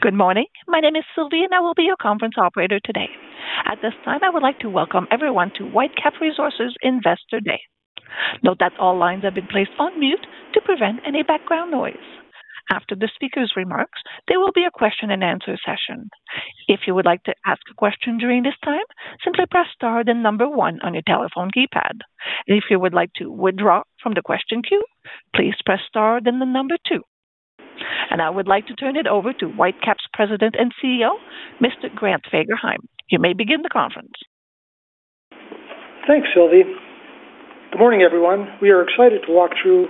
Good morning. My name is Sylvie, and I will be your conference operator today. At this time, I would like to welcome everyone to Whitecap Resources Investor Day. Note that all lines have been placed on mute to prevent any background noise. After the speaker's remarks, there will be a question-and-answer session. If you would like to ask a question during this time, simply press star then number one on your telephone keypad. If you would like to withdraw from the question queue, please press star then the number two. And I would like to turn it over to Whitecap's President and CEO, Mr. Grant Fagerheim. You may begin the conference. Thanks, Sylvie. Good morning, everyone. We are excited to walk through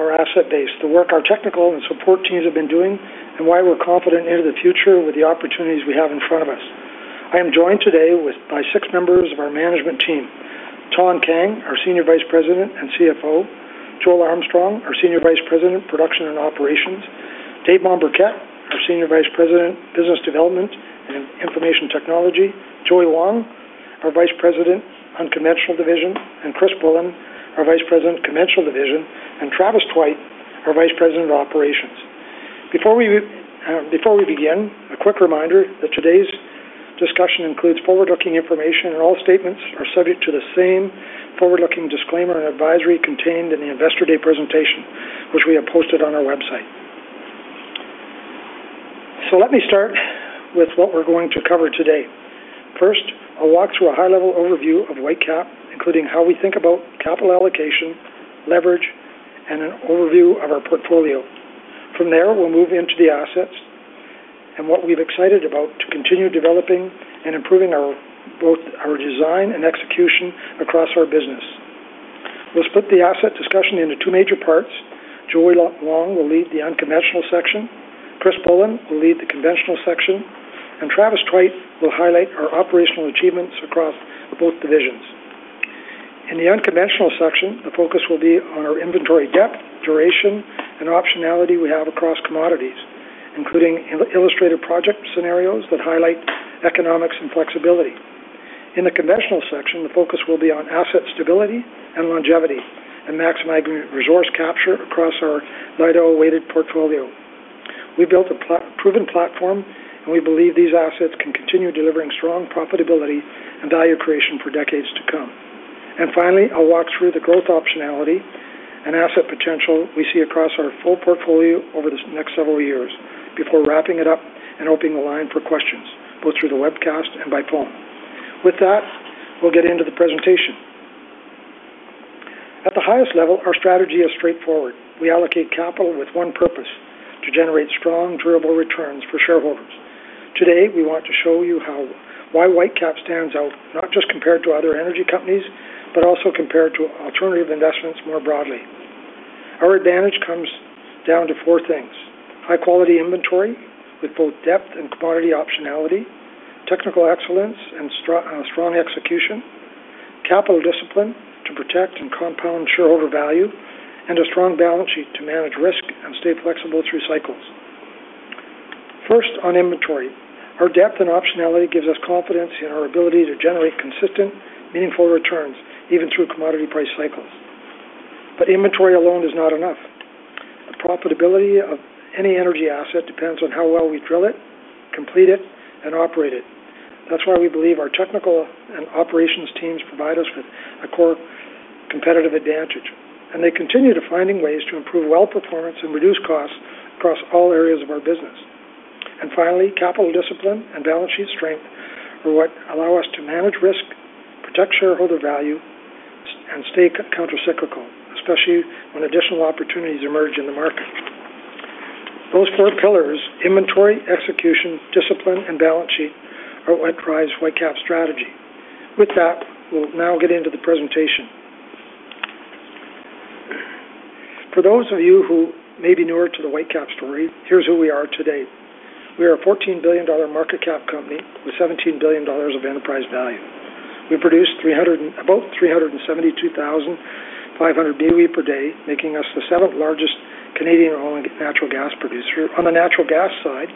our asset base, the work our technical and support teams have been doing, and why we're confident into the future with the opportunities we have in front of us. I am joined today by six members of our management team: Thanh Kang, our Senior Vice President and CFO, Joel Armstrong, our Senior Vice President, Production and Operations, Dave Mombourquette, our Senior Vice President, Business Development and Information Technology, Joey Wong, our Vice President, Unconventional Division, and Chris Bullin, our Vice President, Conventional Division, and Travis Tweit, our Vice President, Operations. Before we begin, a quick reminder that today's discussion includes forward-looking information, and all statements are subject to the same forward-looking disclaimer and advisory contained in the Investor Day presentation, which we have posted on our website, so let me start with what we're going to cover today. First, I'll walk through a high-level overview of Whitecap, including how we think about capital allocation, leverage, and an overview of our portfolio. From there, we'll move into the assets and what we're excited about to continue developing and improving both our design and execution across our business. We'll split the asset discussion into two major parts. Joey Wong will lead the unconventional section, Chris Bollen will lead the conventional section, and Travis Wright will highlight our operational achievements across both divisions. In the unconventional section, the focus will be on our inventory depth, duration, and optionality we have across commodities, including illustrative project scenarios that highlight economics and flexibility. In the conventional section, the focus will be on asset stability and longevity and maximizing resource capture across our light oil-weighted portfolio. We've built a proven platform, and we believe these assets can continue delivering strong profitability and value creation for decades to come, and finally, I'll walk through the growth optionality and asset potential we see across our full portfolio over the next several years before wrapping it up and opening the line for questions, both through the webcast and by phone. With that, we'll get into the presentation. At the highest level, our strategy is straightforward. We allocate capital with one purpose: to generate strong, durable returns for shareholders. Today, we want to show you why Whitecap stands out not just compared to other energy companies, but also compared to alternative investments more broadly. Our advantage comes down to four things: high-quality inventory with both depth and commodity optionality, technical excellence and strong execution, capital discipline to protect and compound shareholder value, and a strong balance sheet to manage risk and stay flexible through cycles. First, on inventory. Our depth and optionality gives us confidence in our ability to generate consistent, meaningful returns even through commodity price cycles. But inventory alone is not enough. The profitability of any energy asset depends on how well we drill it, complete it, and operate it. That's why we believe our technical and operations teams provide us with a core competitive advantage, and they continue to find ways to improve well performance and reduce costs across all areas of our business. Finally, capital discipline and balance sheet strength are what allow us to manage risk, protect shareholder value, and stay countercyclical, especially when additional opportunities emerge in the market. Those four pillars, inventory, execution, discipline, and balance sheet, are what drives Whitecap's strategy. With that, we'll now get into the presentation. For those of you who may be newer to the Whitecap story, here's who we are today. We are a $14 billion market cap company with $17 billion of enterprise value. We produce about 372,500 BOE per day, making us the seventh largest Canadian oil and natural gas producer. On the natural gas side,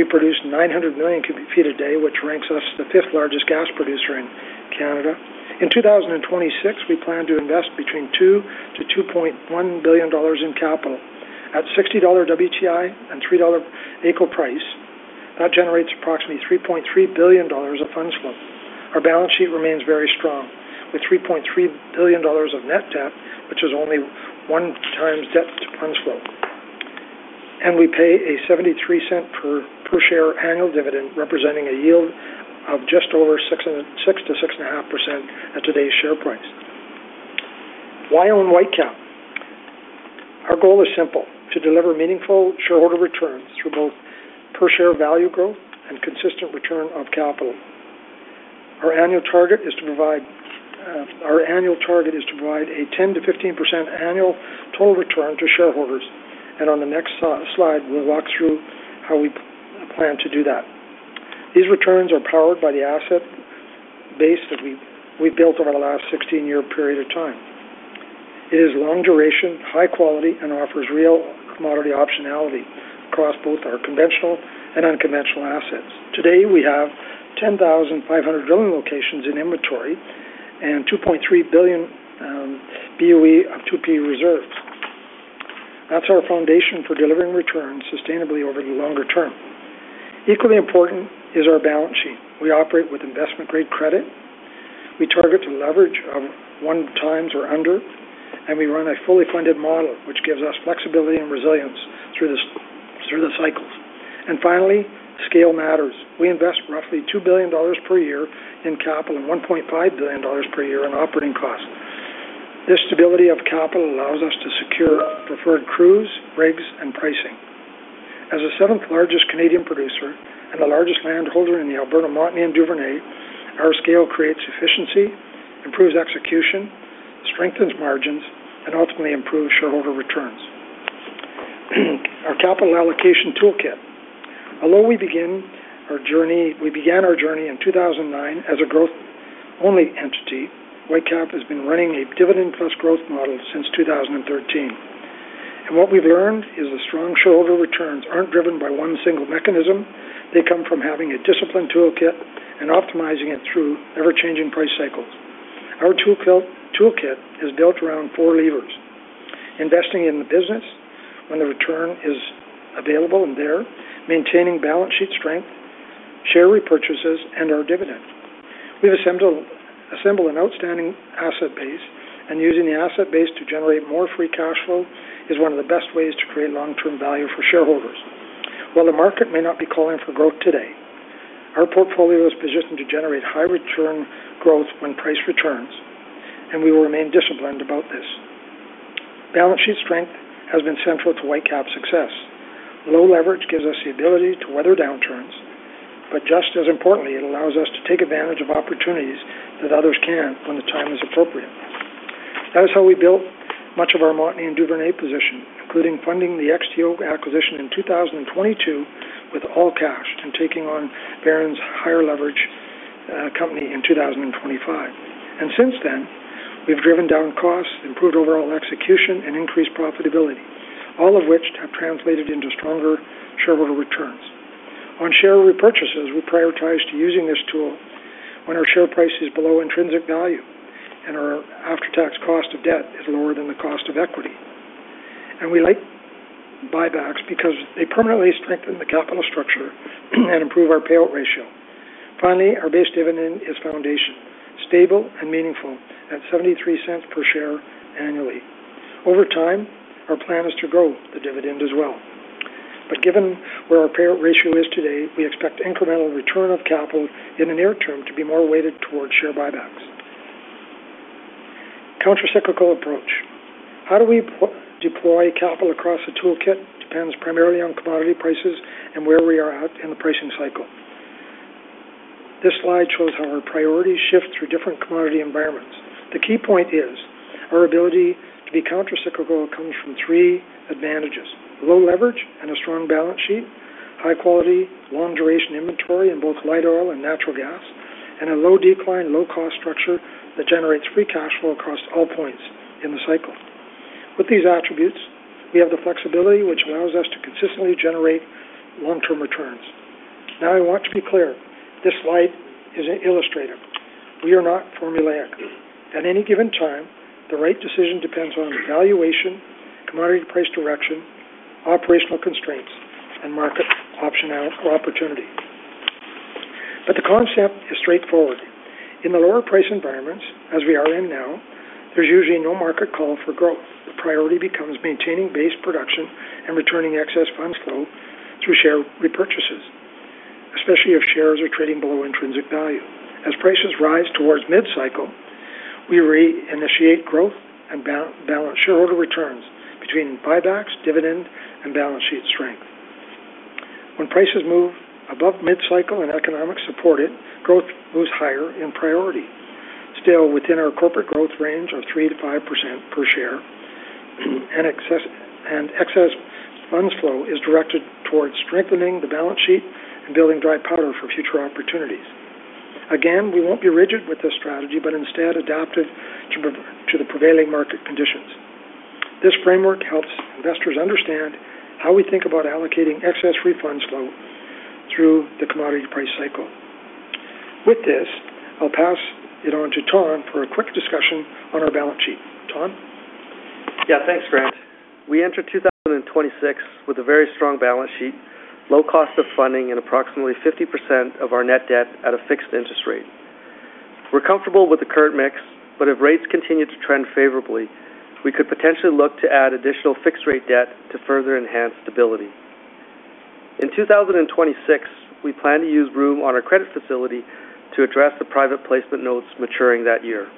we produce 900 million cubic feet a day, which ranks us the fifth largest gas producer in Canada. In 2026, we plan to invest between $2-$2.1 billion in capital. At $60 WTI and $3 AECO price, that generates approximately $3.3 billion of funds flow. Our balance sheet remains very strong with 3.3 billion dollars of net debt, which is only one times debt to funds flow. We pay a 0.73 per share annual dividend, representing a yield of just over 6-6.5% at today's share price. Why own Whitecap? Our goal is simple: to deliver meaningful shareholder returns through both per share value growth and consistent return of capital. Our annual target is to provide a 10-15% annual total return to shareholders. And on the next slide, we'll walk through how we plan to do that. These returns are powered by the asset base that we've built over the last 16-year period of time. It is long duration, high quality, and offers real commodity optionality across both our conventional and unconventional assets. Today, we have 10,500 drilling locations in inventory and 2.3 billion BOE of 2P reserves. That's our foundation for delivering returns sustainably over the longer term. Equally important is our balance sheet. We operate with investment-grade credit. We target to leverage of one times or under, and we run a fully funded model, which gives us flexibility and resilience through the cycles. And finally, scale matters. We invest roughly C$2 billion per year in capital and C$1.5 billion per year in operating costs. This stability of capital allows us to secure preferred crews, rigs, and pricing. As the seventh largest Canadian producer and the largest landholder in the Alberta Montney Duvernay, our scale creates efficiency, improves execution, strengthens margins, and ultimately improves shareholder returns. Our capital allocation toolkit. Although we began our journey in 2009 as a growth-only entity, Whitecap has been running a dividend-plus growth model since 2013. And what we've learned is that strong shareholder returns aren't driven by one single mechanism. They come from having a discipline toolkit and optimizing it through ever-changing price cycles. Our toolkit is built around four levers: investing in the business when the return is available and there, maintaining balance sheet strength, share repurchases, and our dividend. We've assembled an outstanding asset base, and using the asset base to generate more free cash flow is one of the best ways to create long-term value for shareholders. While the market may not be calling for growth today, our portfolio is positioned to generate high-return growth when price returns, and we will remain disciplined about this. Balance sheet strength has been central to Whitecap's success. Low leverage gives us the ability to weather downturns, but just as importantly, it allows us to take advantage of opportunities that others can't when the time is appropriate. That is how we built much of our Montney and Duvernay position, including funding the XTO acquisition in 2022 with all cash and taking on Veren's higher leverage company in 2025. And since then, we've driven down costs, improved overall execution, and increased profitability, all of which have translated into stronger shareholder returns. On share repurchases, we prioritize using this tool when our share price is below intrinsic value and our after-tax cost of debt is lower than the cost of equity. And we like buybacks because they permanently strengthen the capital structure and improve our payout ratio. Finally, our base dividend is foundation, stable, and meaningful at 0.73 per share annually. Over time, our plan is to grow the dividend as well. But given where our payout ratio is today, we expect incremental return of capital in the near term to be more weighted towards share buybacks. Countercyclical approach. How do we deploy capital across the toolkit? It depends primarily on commodity prices and where we are at in the pricing cycle. This slide shows how our priorities shift through different commodity environments. The key point is our ability to be countercyclical comes from three advantages: low leverage and a strong balance sheet, high-quality, long-duration inventory in both light oil and natural gas, and a low-decline, low-cost structure that generates free cash flow across all points in the cycle. With these attributes, we have the flexibility, which allows us to consistently generate long-term returns. Now, I want to be clear. This slide is illustrative. We are not formulaic. At any given time, the right decision depends on valuation, commodity price direction, operational constraints, and market optionality or opportunity. But the concept is straightforward. In the lower price environments, as we are in now, there's usually no market call for growth. The priority becomes maintaining base production and returning excess funds flow through share repurchases, especially if shares are trading below intrinsic value. As prices rise towards mid-cycle, we reinitiate growth and balance shareholder returns between buybacks, dividend, and balance sheet strength. When prices move above mid-cycle and economics support it, growth moves higher in priority. Still, within our corporate growth range of 3%-5% per share, and excess funds flow is directed towards strengthening the balance sheet and building dry powder for future opportunities. Again, we won't be rigid with this strategy, but instead adaptive to the prevailing market conditions. This framework helps investors understand how we think about allocating free funds flow through the commodity price cycle. With this, I'll pass it on to Thanh for a quick discussion on our balance sheet. Thanh? Yeah, thanks, Grant. We entered 2026 with a very strong balance sheet, low cost of funding, and approximately 50% of our net debt at a fixed interest rate. We're comfortable with the current mix, but if rates continue to trend favorably, we could potentially look to add additional fixed-rate debt to further enhance stability. In 2026, we plan to use room on our credit facility to address the private placement notes maturing that year.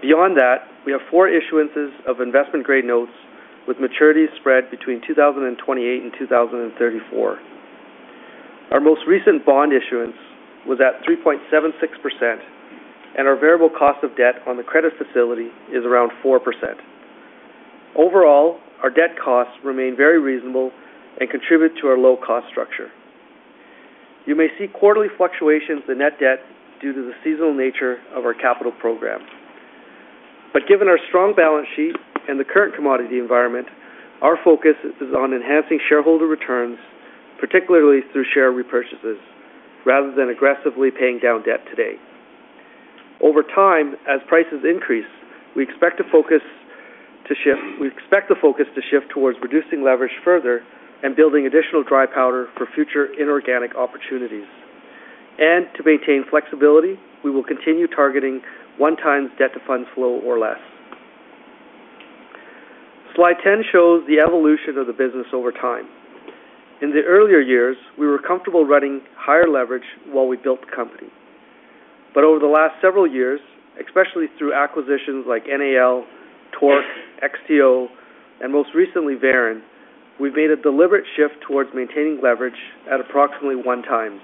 Beyond that, we have four issuances of investment-grade notes with maturities spread between 2028 and 2034. Our most recent bond issuance was at 3.76%, and our variable cost of debt on the credit facility is around 4%. Overall, our debt costs remain very reasonable and contribute to our low-cost structure. You may see quarterly fluctuations in net debt due to the seasonal nature of our capital program. But given our strong balance sheet and the current commodity environment, our focus is on enhancing shareholder returns, particularly through share repurchases, rather than aggressively paying down debt today. Over time, as prices increase, we expect the focus to shift towards reducing leverage further and building additional dry powder for future inorganic opportunities. And to maintain flexibility, we will continue targeting one times debt to funds flow or less. Slide 10 shows the evolution of the business over time. In the earlier years, we were comfortable running higher leverage while we built the company. But over the last several years, especially through acquisitions like NAL, TORC, XTO, and most recently Veren, we've made a deliberate shift towards maintaining leverage at approximately one times.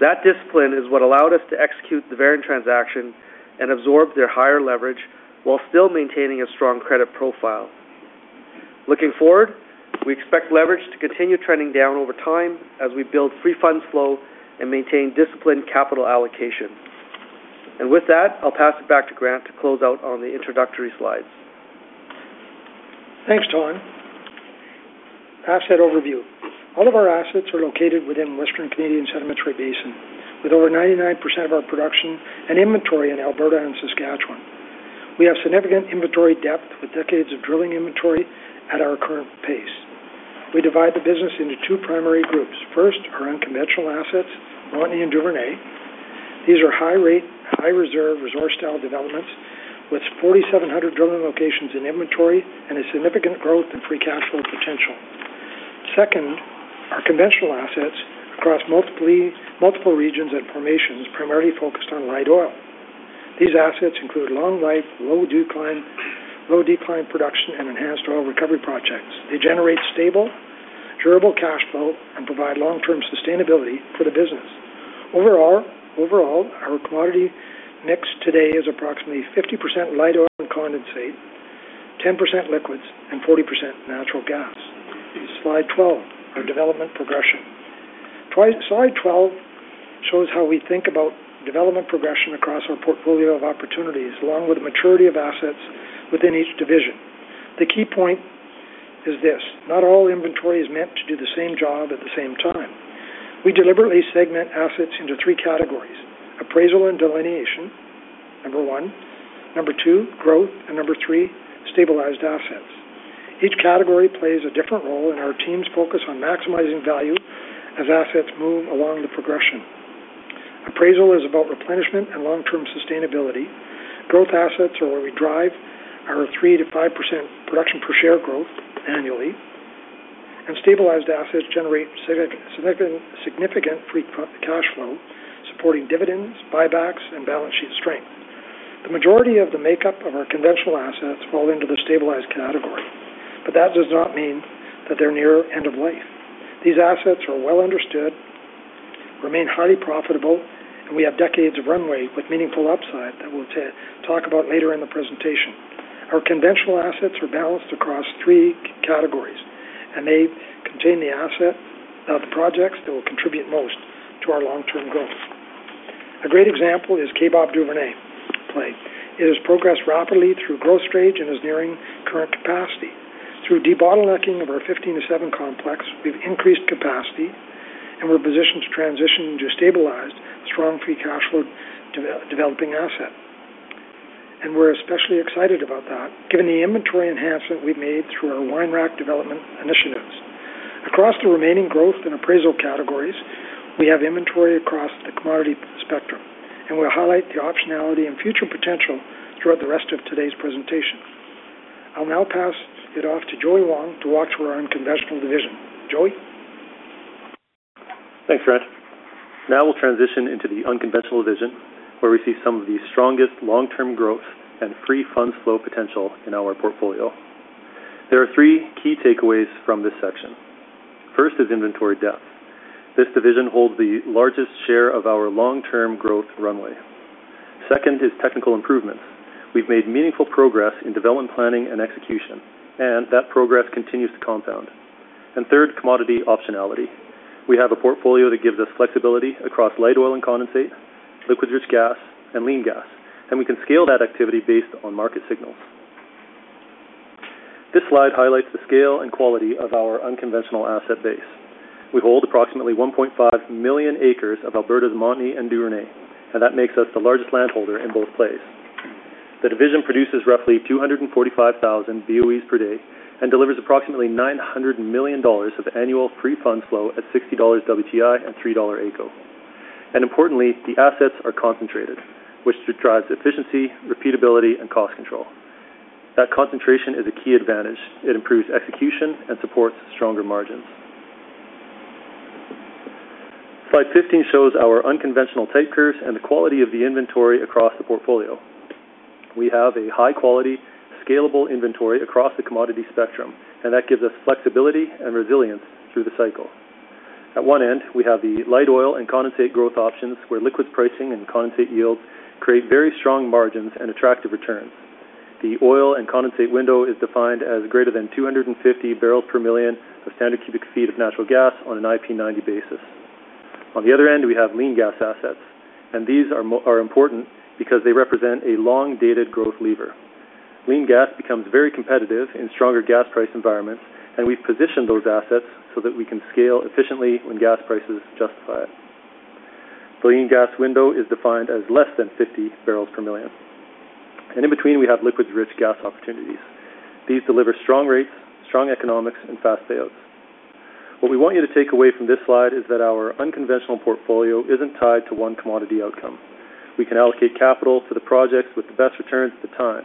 That discipline is what allowed us to execute the TORC transaction and absorb their higher leverage while still maintaining a strong credit profile. Looking forward, we expect leverage to continue trending down over time as we free funds flow and maintain disciplined capital allocation. And with that, I'll pass it back to Grant to close out on the introductory slides. Thanks, Thanh. Asset overview. All of our assets are located within Western Canadian Sedimentary Basin, with over 99% of our production and inventory in Alberta and Saskatchewan. We have significant inventory depth with decades of drilling inventory at our current pace. We divide the business into two primary groups. First are unconventional assets, Montney and Duvernay. These are high-rate, high-reserve resource-style developments with 4,700 drilling locations in inventory and a significant growth in free cash flow potential. Second are conventional assets across multiple regions and formations, primarily focused light oil. these assets include long life, low-decline, low-decline production, and enhanced oil recovery projects. They generate stable, durable cash flow and provide long-term sustainability for the business. Overall, our commodity mix today is approximately light oil and condensate, 10% liquids, and 40% natural gas. Slide 12, our development progression. Slide 12 shows how we think about development progression across our portfolio of opportunities, along with the maturity of assets within each division. The key point is this: not all inventory is meant to do the same job at the same time. We deliberately segment assets into three categories: appraisal and delineation, number one, number two, growth, and number three, stabilized assets. Each category plays a different role in our team's focus on maximizing value as assets move along the progression. Appraisal is about replenishment and long-term sustainability. Growth assets are where we drive our 3%-5% production per share growth annually, and stabilized assets generate significant free cash flow, supporting dividends, buybacks, and balance sheet strength. The majority of the makeup of our conventional assets fall into the stabilized category, but that does not mean that they're near end of life. These assets are well understood, remain highly profitable, and we have decades of runway with meaningful upside that we'll talk about later in the presentation. Our conventional assets are balanced across three categories, and they contain the asset of the projects that will contribute most to our long-term growth. A great example is Kaybob Duvernay play. It has progressed rapidly through growth stage and is nearing current capacity. Through debottlenecking of our 15-07 complex, we've increased capacity, and we're positioned to transition into a stabilized, strong free cash flow developing asset. We're especially excited about that, given the inventory enhancement we've wine rack development initiatives. across the remaining growth and appraisal categories, we have inventory across the commodity spectrum, and we'll highlight the optionality and future potential throughout the rest of today's presentation. I'll now pass it off to Joey Wong to walk through our unconventional division. Joey. Thanks, Grant. Now we'll transition into the unconventional division, where we see some of the strongest long-term growth free funds flow potential in our portfolio. There are three key takeaways from this section. First is inventory depth. This division holds the largest share of our long-term growth runway. Second is technical improvements. We've made meaningful progress in development, planning, and execution, and that progress continues to compound. Third, commodity optionality. We have a portfolio that gives us flexibility light oil and condensate, liquids-rich gas, and lean gas, and we can scale that activity based on market signals. This slide highlights the scale and quality of our unconventional asset base. We hold approximately 1.5 million acres of Alberta's Montney and Duvernay, and that makes us the largest landholder in both places. The division produces roughly 245,000 BOEs per day and delivers approximately $900 million of free funds flow at $60 WTI and $3 AECO. Importantly, the assets are concentrated, which drives efficiency, repeatability, and cost control. That concentration is a key advantage. It improves execution and supports stronger margins. Slide 15 shows our unconventional type curves and the quality of the inventory across the portfolio. We have a high-quality, scalable inventory across the commodity spectrum, and that gives us flexibility and resilience through the cycle. At one end, we have light oil and condensate growth options, where liquid pricing and condensate yields create very strong margins and attractive returns. The oil and condensate window is defined as greater than 250 barrels per million of standard cubic feet of natural gas on an IP90 basis. On the other end, we have lean gas assets, and these are important because they represent a long-dated growth lever. Lean gas becomes very competitive in stronger gas price environments, and we've positioned those assets so that we can scale efficiently when gas prices justify it. The lean gas window is defined as less than 50 barrels per million. And in between, we have liquids-rich gas opportunities. These deliver strong rates, strong economics, and fast payouts. What we want you to take away from this slide is that our unconventional portfolio isn't tied to one commodity outcome. We can allocate capital to the projects with the best returns at the time,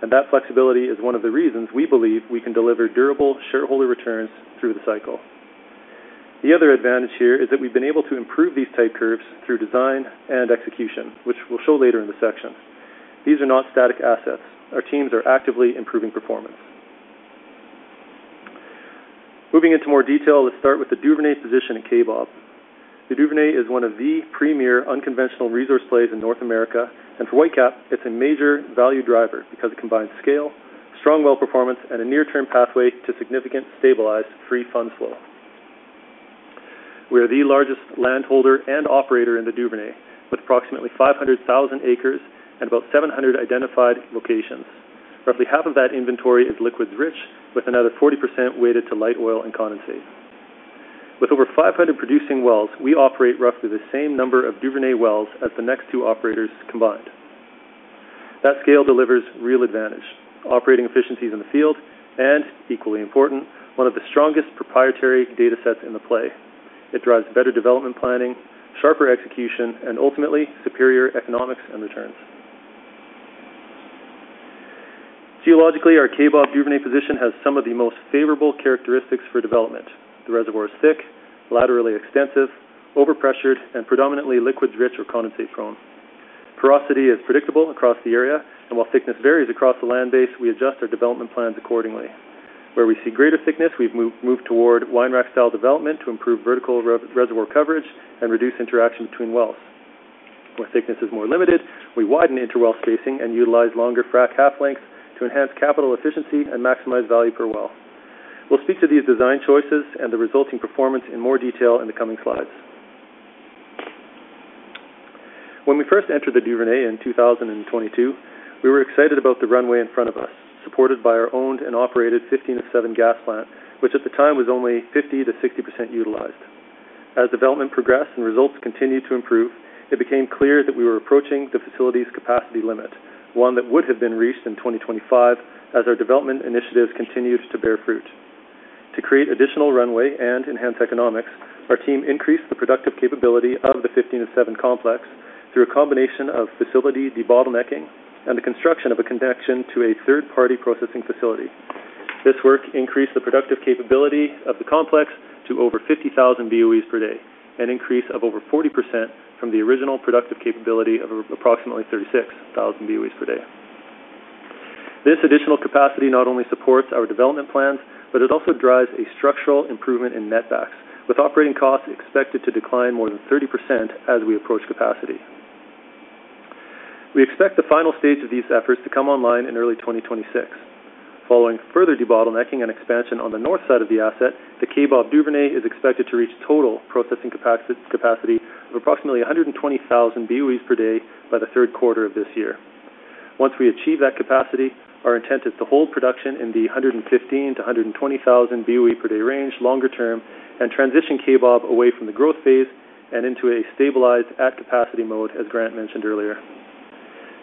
and that flexibility is one of the reasons we believe we can deliver durable shareholder returns through the cycle. The other advantage here is that we've been able to improve these type curves through design and execution, which we'll show later in the section. These are not static assets. Our teams are actively improving performance. Moving into more detail, let's start with the Duvernay position at Kaybob. The Duvernay is one of the premier unconventional resource plays in North America, and for Whitecap, it's a major value driver because it combines scale, strong well performance, and a near-term pathway to significant free funds flow. we are the largest landholder and operator in the Duvernay, with approximately 500,000 acres and about 700 identified locations. Roughly half of that inventory is liquids-rich, with another 40% weighted light oil and condensate. With over 500 producing wells, we operate roughly the same number of Duvernay wells as the next two operators combined. That scale delivers real advantage, operating efficiencies in the field, and equally important, one of the strongest proprietary data sets in the play. It drives better development planning, sharper execution, and ultimately superior economics and returns. Geologically, our Kaybob Duvernay position has some of the most favorable characteristics for development. The reservoir is thick, laterally extensive, overpressured, and predominantly liquids-rich or condensate-prone. Porosity is predictable across the area, and while thickness varies across the land base, we adjust our development plans accordingly. Where we see greater thickness, wine rack-style development to improve vertical reservoir coverage and reduce interaction between wells. Where thickness is more limited, we widen interwell spacing and utilize longer frac half lengths to enhance capital efficiency and maximize value per well. We'll speak to these design choices and the resulting performance in more detail in the coming slides. When we first entered the Duvernay in 2022, we were excited about the runway in front of us, supported by our owned and operated 15-07 gas plant, which at the time was only 50%-60% utilized. As development progressed and results continued to improve, it became clear that we were approaching the facility's capacity limit, one that would have been reached in 2025 as our development initiatives continued to bear fruit. To create additional runway and enhance economics, our team increased the productive capability of the 15-07 complex through a combination of facility debottlenecking and the construction of a connection to a third-party processing facility. This work increased the productive capability of the complex to over 50,000 BOEs per day, an increase of over 40% from the original productive capability of approximately 36,000 BOEs per day. This additional capacity not only supports our development plans, but it also drives a structural improvement in netbacks, with operating costs expected to decline more than 30% as we approach capacity. We expect the final stage of these efforts to come online in early 2026. Following further debottlenecking and expansion on the north side of the asset, the Kaybob Duvernay is expected to reach total processing capacity of approximately 120,000 BOEs per day by the third quarter of this year. Once we achieve that capacity, our intent is to hold production in the 115,000-120,000 BOE per day range longer term and transition Kaybob away from the growth phase and into a stabilized at-capacity mode, as Grant mentioned earlier.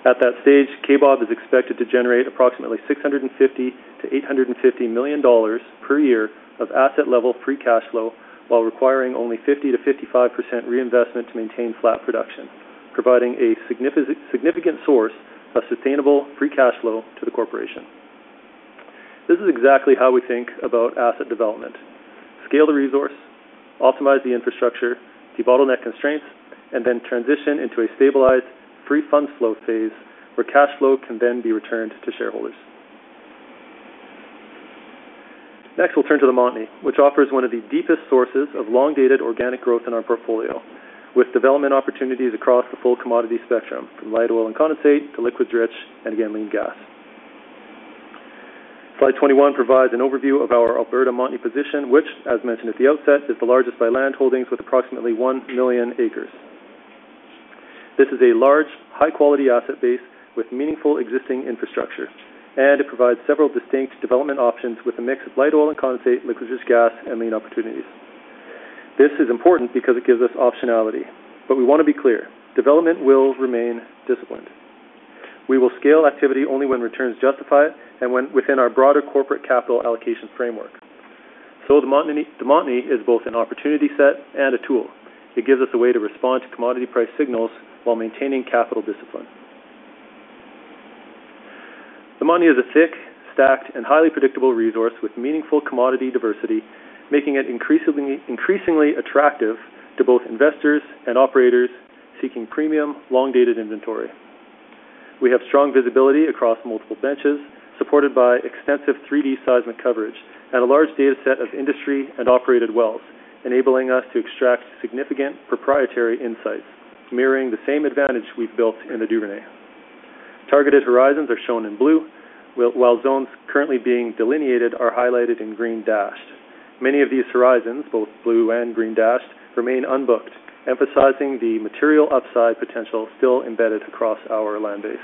At that stage, Kaybob is expected to generate approximately 650 million-850 million dollars per year of asset-level free cash flow while requiring only 50%-55% reinvestment to maintain flat production, providing a significant source of sustainable free cash flow to the corporation. This is exactly how we think about asset development: scale the resource, optimize the infrastructure, debottleneck constraints, and then transition into a free funds flow phase where cash flow can then be returned to shareholders. Next, we'll turn to the Montney, which offers one of the deepest sources of long-dated organic growth in our portfolio, with development opportunities across the full commodity spectrum from light oil and condensate to liquids-rich and again lean gas. Slide 21 provides an overview of our Alberta Montney position, which, as mentioned at the outset, is the largest by land holdings with approximately one million acres. This is a large, high-quality asset base with meaningful existing infrastructure, and it provides several distinct development options with a mix of light oil and condensate, liquids-rich gas, and lean opportunities. This is important because it gives us optionality, but we want to be clear: development will remain disciplined. We will scale activity only when returns justify it and within our broader corporate capital allocation framework, so the Montney is both an opportunity set and a tool. It gives us a way to respond to commodity price signals while maintaining capital discipline. The Montney is a thick, stacked, and highly predictable resource with meaningful commodity diversity, making it increasingly attractive to both investors and operators seeking premium, long-dated inventory. We have strong visibility across multiple benches, supported by extensive 3D seismic coverage and a large data set of industry and operated wells, enabling us to extract significant proprietary insights, mirroring the same advantage we've built in the Duvernay. Targeted horizons are shown in blue, while zones currently being delineated are highlighted in green dashed. Many of these horizons, both blue and green dashed, remain unbooked, emphasizing the material upside potential still embedded across our land base.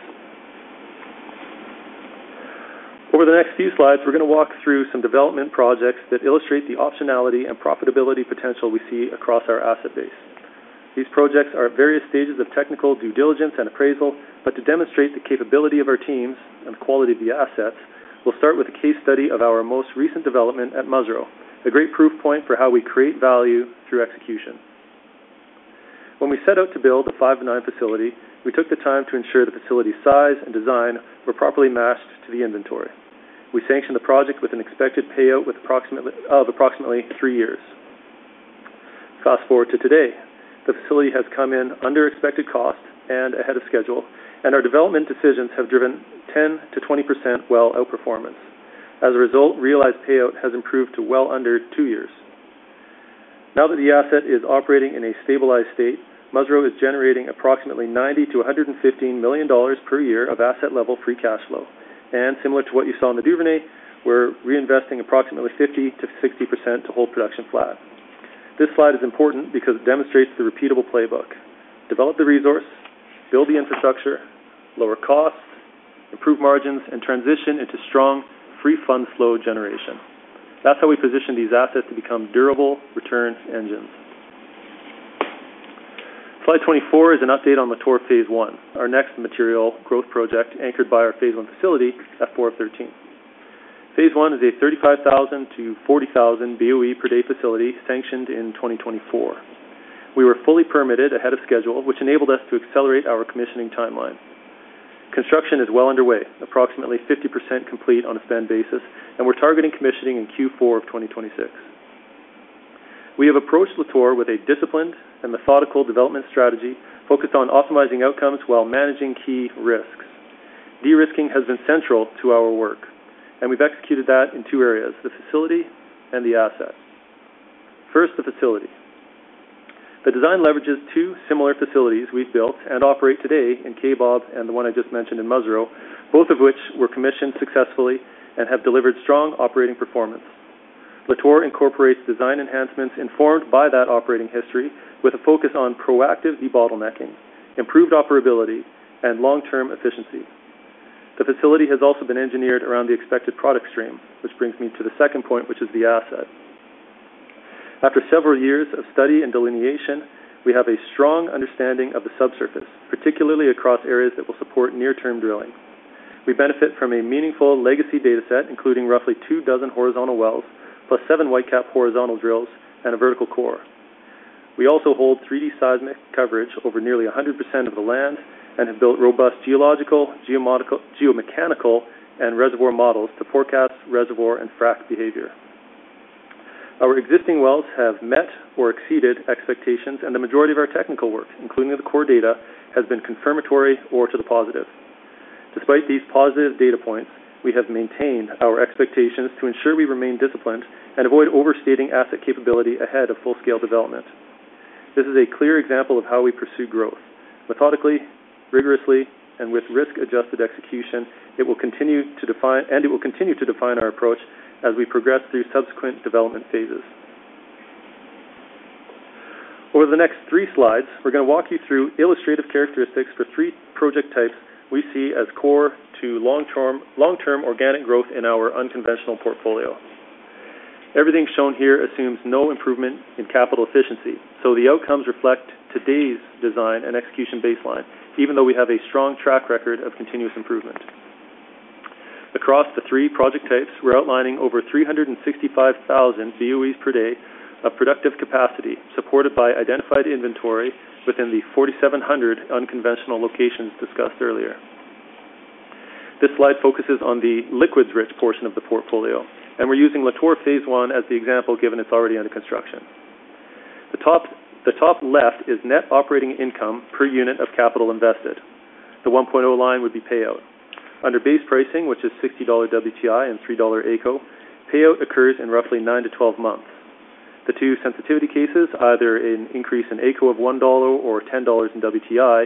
Over the next few slides, we're going to walk through some development projects that illustrate the optionality and profitability potential we see across our asset base. These projects are at various stages of technical due diligence and appraisal, but to demonstrate the capability of our teams and the quality of the assets, we'll start with a case study of our most recent development at Musreau, a great proof point for how we create value through execution. When we set out to build a 5-9 facility, we took the time to ensure the facility's size and design were properly matched to the inventory. We sanctioned the project with an expected payout of approximately three years. Fast forward to today, the facility has come in under expected cost and ahead of schedule, and our development decisions have driven 10%-20% well outperformance. As a result, realized payout has improved to well under two years. Now that the asset is operating in a stabilized state, Musreau is generating approximately 90 million-115 million dollars per year of asset-level free cash flow, and similar to what you saw in the Duvernay, we're reinvesting approximately 50%-60% to hold production flat. This slide is important because it demonstrates the repeatable playbook: develop the resource, build the infrastructure, lower costs, improve margins, and transition into free funds flow generation. That's how we position these assets to become durable return engines. Slide 24 is an update on Lator Phase 1, our next material growth project anchored by our Phase One facility at 4-13. Phase One is a 35,000-40,000 BOE per day facility sanctioned in 2024. We were fully permitted ahead of schedule, which enabled us to accelerate our commissioning timeline. Construction is well underway, approximately 50% complete on a spend basis, and we're targeting commissioning in Q4 of 2026. We have approached Lator with a disciplined and methodical development strategy focused on optimizing outcomes while managing key risks. Derisking has been central to our work, and we've executed that in two areas: the facility and the asset. First, the facility. The design leverages two similar facilities we've built and operate today in Kaybob and the one I just mentioned in Musreau, both of which were commissioned successfully and have delivered strong operating performance. Lator incorporates design enhancements informed by that operating history, with a focus on proactive debottlenecking, improved operability, and long-term efficiency. The facility has also been engineered around the expected product stream, which brings me to the second point, which is the asset. After several years of study and delineation, we have a strong understanding of the subsurface, particularly across areas that will support near-term drilling. We benefit from a meaningful legacy data set, including roughly two dozen horizontal wells, plus seven Whitecap horizontal drills and a vertical core. We also hold 3D seismic coverage over nearly 100% of the land and have built robust geological, geomechanical, and reservoir models to forecast reservoir and frac behavior. Our existing wells have met or exceeded expectations, and the majority of our technical work, including the core data, has been confirmatory or to the positive. Despite these positive data points, we have maintained our expectations to ensure we remain disciplined and avoid overstating asset capability ahead of full-scale development. This is a clear example of how we pursue growth. Methodically, rigorously, and with risk-adjusted execution, it will continue to define our approach as we progress through subsequent development phases. Over the next three slides, we're going to walk you through illustrative characteristics for three project types we see as core to long-term organic growth in our unconventional portfolio. Everything shown here assumes no improvement in capital efficiency, so the outcomes reflect today's design and execution baseline, even though we have a strong track record of continuous improvement. Across the three project types, we're outlining over 365,000 BOEs per day of productive capacity supported by identified inventory within the 4,700 unconventional locations discussed earlier. This slide focuses on the liquids-rich portion of the portfolio, and we're using Lator Phase 1 as the example given it's already under construction. The top left is net operating income per unit of capital invested. The 1.0 line would be payout. Under base pricing, which is $60 WTI and $3 AECO, payout occurs in roughly nine to 12 months. The two sensitivity cases, either an increase in AECO of $1 or $10 in WTI,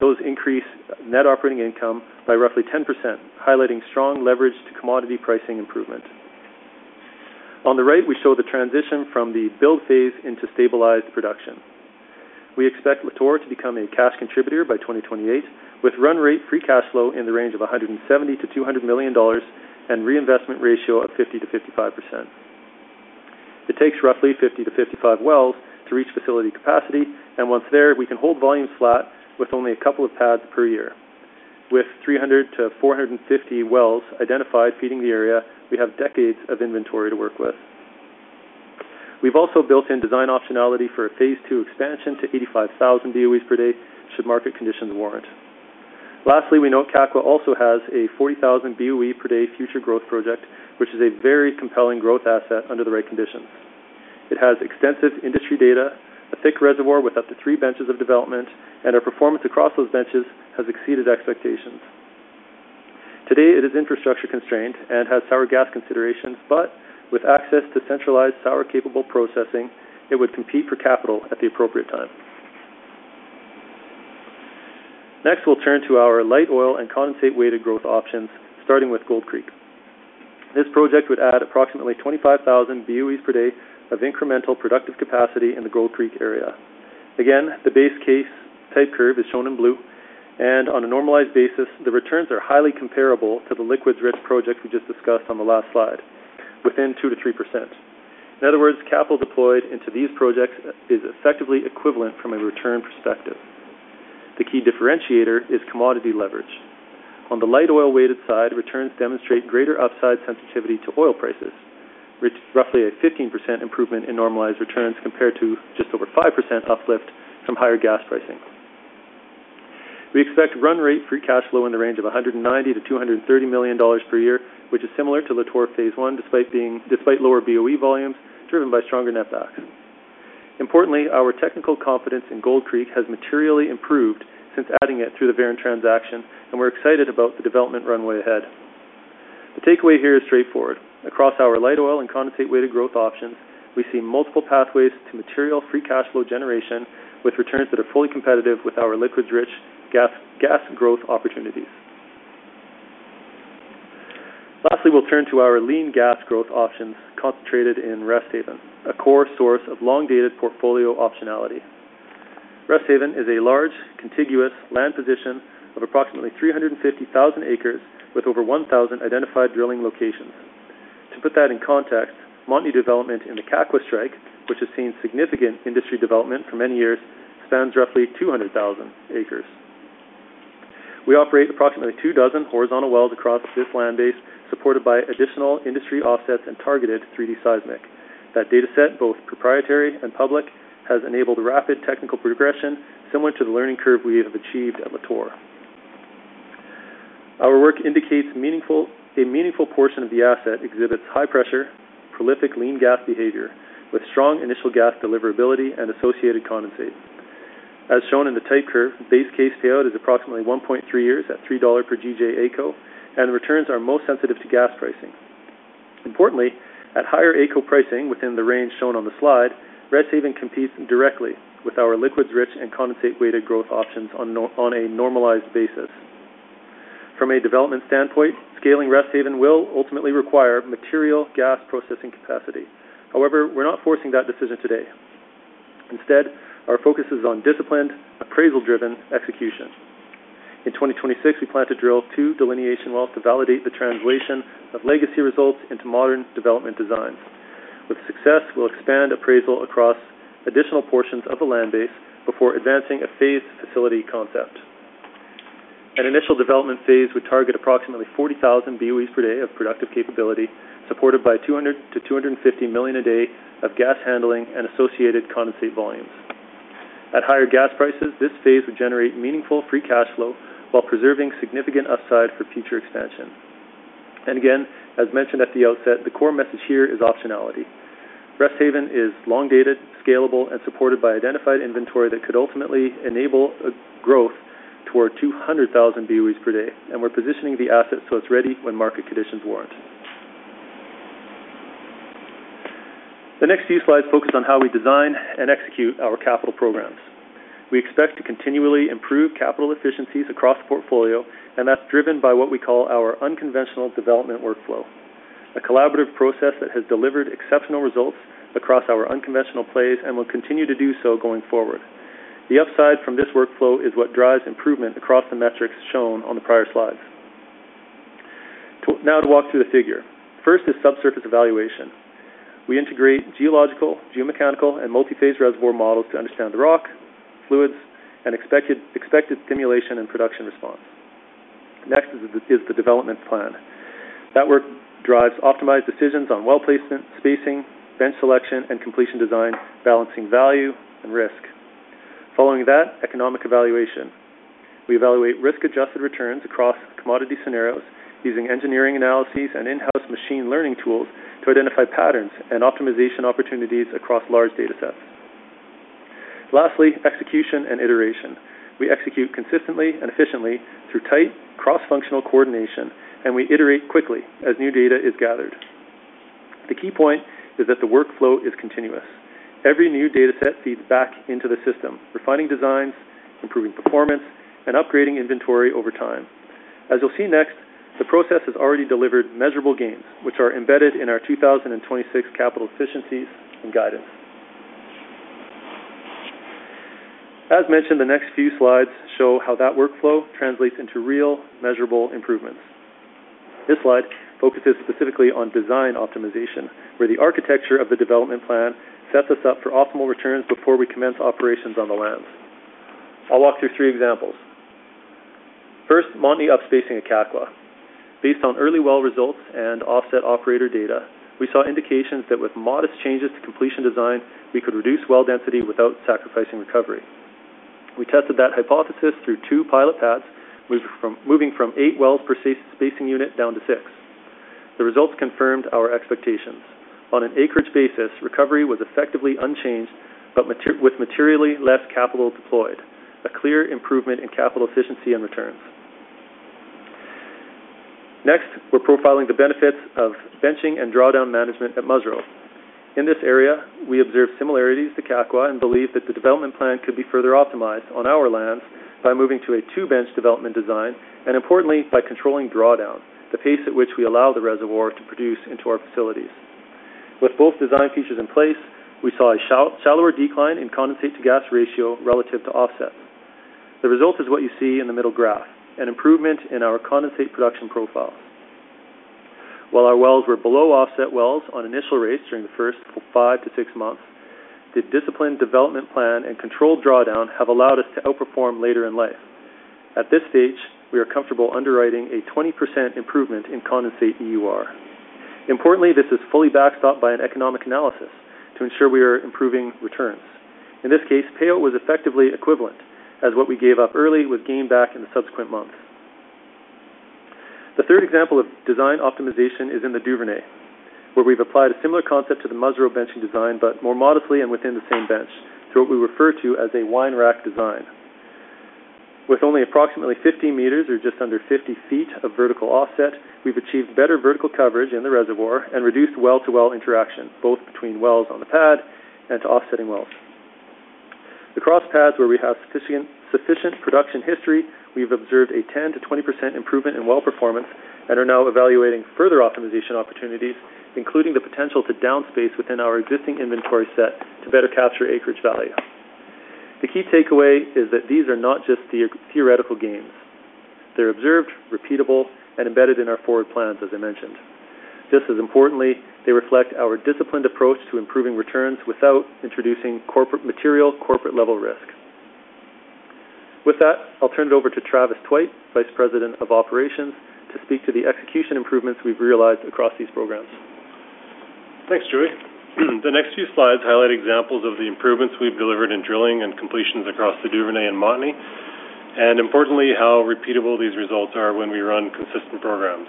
those increase net operating income by roughly 10%, highlighting strong leverage to commodity pricing improvement. On the right, we show the transition from the build phase into stabilized production. We expect Lator to become a cash contributor by 2028, with run rate free cash flow in the range of $170-$200 million and reinvestment ratio of 50%-55%. It takes roughly 50 to 55 wells to reach facility capacity, and once there, we can hold volumes flat with only a couple of pads per year. With 300 to 450 wells identified feeding the area, we have decades of inventory to work with. We've also built in design optionality for a Phase Two expansion to 85,000 BOEs per day should market conditions warrant. Lastly, we note Kakwa also has a 40,000 BOE per day future growth project, which is a very compelling growth asset under the right conditions. It has extensive industry data, a thick reservoir with up to three benches of development, and our performance across those benches has exceeded expectations. Today, it is infrastructure constrained and has sour gas considerations, but with access to centralized sour-capable processing, it would compete for capital at the appropriate time. Next, we'll turn to our light oil and condensate-weighted growth options, starting with Gold Creek. This project would add approximately 25,000 BOEs per day of incremental productive capacity in the Gold Creek area. Again, the base case type curve is shown in blue, and on a normalized basis, the returns are highly comparable to the liquids-rich project we just discussed on the last slide, within 2-3%. In other words, capital deployed into these projects is effectively equivalent from a return perspective. The key differentiator is commodity leverage. On the light oil-weighted side, returns demonstrate greater upside sensitivity to oil prices, roughly a 15% improvement in normalized returns compared to just over 5% uplift from higher gas pricing. We expect run rate free cash flow in the range of $190-$230 million per year, which is similar to Lator Phase 1 despite lower BOE volumes driven by stronger netbacks. Importantly, our technical confidence in Gold Creek has materially improved since adding it through the XTO transaction, and we're excited about the development runway ahead. The takeaway here is straightforward. Across our light oil and condensate-weighted growth options, we see multiple pathways to material free cash flow generation with returns that are fully competitive with our liquids-rich gas growth opportunities. Lastly, we'll turn to our lean gas growth options concentrated in Resthaven, a core source of long-dated portfolio optionality. Resthaven is a large, contiguous land position of approximately 350,000 acres with over 1,000 identified drilling locations. To put that in context, Montney development in the Kakwa strike, which has seen significant industry development for many years, spans roughly 200,000 acres. We operate approximately two dozen horizontal wells across this land base, supported by additional industry offsets and targeted 3D seismic. That data set, both proprietary and public, has enabled rapid technical progression similar to the learning curve we have achieved at Lator. Our work indicates a meaningful portion of the asset exhibits high pressure, prolific lean gas behavior, with strong initial gas deliverability and associated condensate. As shown in the type curve, base case payout is approximately 1.3 years at 3 dollar per GJ AECO, and the returns are most sensitive to gas pricing. Importantly, at higher AECO pricing within the range shown on the slide, Resthaven competes directly with our liquids-rich and condensate-weighted growth options on a normalized basis. From a development standpoint, scaling Resthaven will ultimately require material gas processing capacity. However, we're not forcing that decision today. Instead, our focus is on disciplined, appraisal-driven execution. In 2026, we plan to drill two delineation wells to validate the translation of legacy results into modern development designs. With success, we'll expand appraisal across additional portions of the land base before advancing a phased facility concept. An initial development phase would target approximately 40,000 BOEs per day of productive capability, supported by 200-250 million a day of gas handling and associated condensate volumes. At higher gas prices, this phase would generate meaningful free cash flow while preserving significant upside for future expansion, and again, as mentioned at the outset, the core message here is optionality. Resthaven is long-dated, scalable, and supported by identified inventory that could ultimately enable growth toward 200,000 BOEs per day, and we're positioning the asset so it's ready when market conditions warrant. The next few slides focus on how we design and execute our capital programs. We expect to continually improve capital efficiencies across the portfolio, and that's driven by what we call our unconventional development workflow, a collaborative process that has delivered exceptional results across our unconventional plays and will continue to do so going forward. The upside from this workflow is what drives improvement across the metrics shown on the prior slides. Now to walk through the figure. First is subsurface evaluation. We integrate geological, geomechanical, and multi-phase reservoir models to understand the rock, fluids, and expected stimulation and production response. Next is the development plan. That work drives optimized decisions on well placement, spacing, bench selection, and completion design, balancing value and risk. Following that, economic evaluation. We evaluate risk-adjusted returns across commodity scenarios using engineering analyses and in-house machine learning tools to identify patterns and optimization opportunities across large data sets. Lastly, execution and iteration. We execute consistently and efficiently through tight cross-functional coordination, and we iterate quickly as new data is gathered. The key point is that the workflow is continuous. Every new data set feeds back into the system, refining designs, improving performance, and upgrading inventory over time. As you'll see next, the process has already delivered measurable gains, which are embedded in our 2026 capital efficiencies and guidance. As mentioned, the next few slides show how that workflow translates into real measurable improvements. This slide focuses specifically on design optimization, where the architecture of the development plan sets us up for optimal returns before we commence operations on the lands. I'll walk through three examples. First, Montney upspacing at Kakwa. Based on early well results and offset operator data, we saw indications that with modest changes to completion design, we could reduce well density without sacrificing recovery. We tested that hypothesis through two pilot pads, moving from eight wells per spacing unit down to six. The results confirmed our expectations. On an acreage basis, recovery was effectively unchanged, but with materially less capital deployed, a clear improvement in capital efficiency and returns. Next, we're profiling the benefits of benching and drawdown management at Musreau. In this area, we observe similarities to Kakwa and believe that the development plan could be further optimized on our lands by moving to a two-bench development design and, importantly, by controlling drawdown, the pace at which we allow the reservoir to produce into our facilities. With both design features in place, we saw a shallower decline in condensate-to-gas ratio relative to offset. The result is what you see in the middle graph, an improvement in our condensate production profiles. While our wells were below offset wells on initial rates during the first five to six months, the disciplined development plan and controlled drawdown have allowed us to outperform later in life. At this stage, we are comfortable underwriting a 20% improvement in condensate EUR. Importantly, this is fully backstopped by an economic analysis to ensure we are improving returns. In this case, payout was effectively equivalent, as what we gave up early was gained back in the subsequent months. The third example of design optimization is in the Duvernay, where we've applied a similar concept to the Musreau benching design, but more modestly and within the same bench through what we refer wine rack design. with only approximately 50 meters or just under 50 feet of vertical offset, we've achieved better vertical coverage in the reservoir and reduced well-to-well interaction, both between wells on the pad and to offsetting wells. Across pads where we have sufficient production history, we've observed a 10%-20% improvement in well performance and are now evaluating further optimization opportunities, including the potential to downspace within our existing inventory set to better capture acreage value. The key takeaway is that these are not just theoretical gains. They're observed, repeatable, and embedded in our forward plans, as I mentioned. This is important. They reflect our disciplined approach to improving returns without introducing material corporate-level risk. With that, I'll turn it over to Travis Wright, Vice President of Operations, to speak to the execution improvements we've realized across these programs. Thanks, Joey. The next few slides highlight examples of the improvements we've delivered in drilling and completions across the Duvernay and Montney, and importantly, how repeatable these results are when we run consistent programs.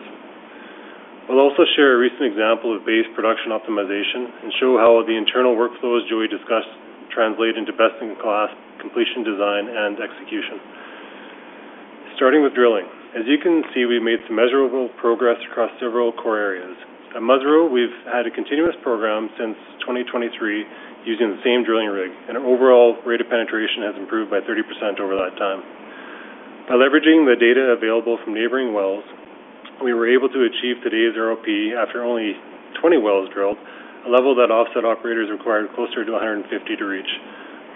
We'll also share a recent example of base production optimization and show how the internal workflows Joey discussed translate into best-in-class completion design and execution. Starting with drilling, as you can see, we've made some measurable progress across several core areas. At Musreau, we've had a continuous program since 2023 using the same drilling rig, and our overall rate of penetration has improved by 30% over that time. By leveraging the data available from neighboring wells, we were able to achieve today's ROP after only 20 wells drilled, a level that offset operators required closer to 150 to reach.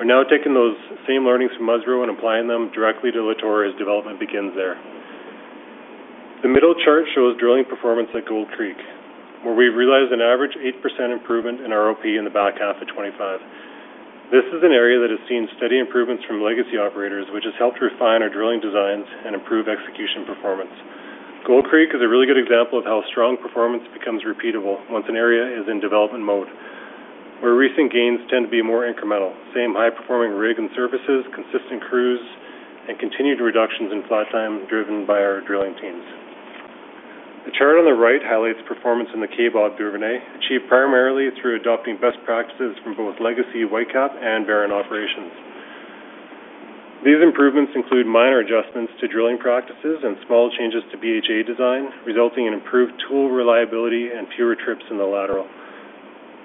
We're now taking those same learnings from Musreau and applying them directly to Lator as development begins there. The middle chart shows drilling performance at Gold Creek, where we've realized an average 8% improvement in ROP in the back half of 2025. This is an area that has seen steady improvements from legacy operators, which has helped refine our drilling designs and improve execution performance. Gold Creek is a really good example of how strong performance becomes repeatable once an area is in development mode, where recent gains tend to be more incremental: same high-performing rig and services, consistent crews, and continued reductions in flat time driven by our drilling teams. The chart on the right highlights performance in the Kaybob Duvernay, achieved primarily through adopting best practices from both legacy Whitecap and Veren operations. These improvements include minor adjustments to drilling practices and small changes to BHA design, resulting in improved tool reliability and fewer trips in the lateral.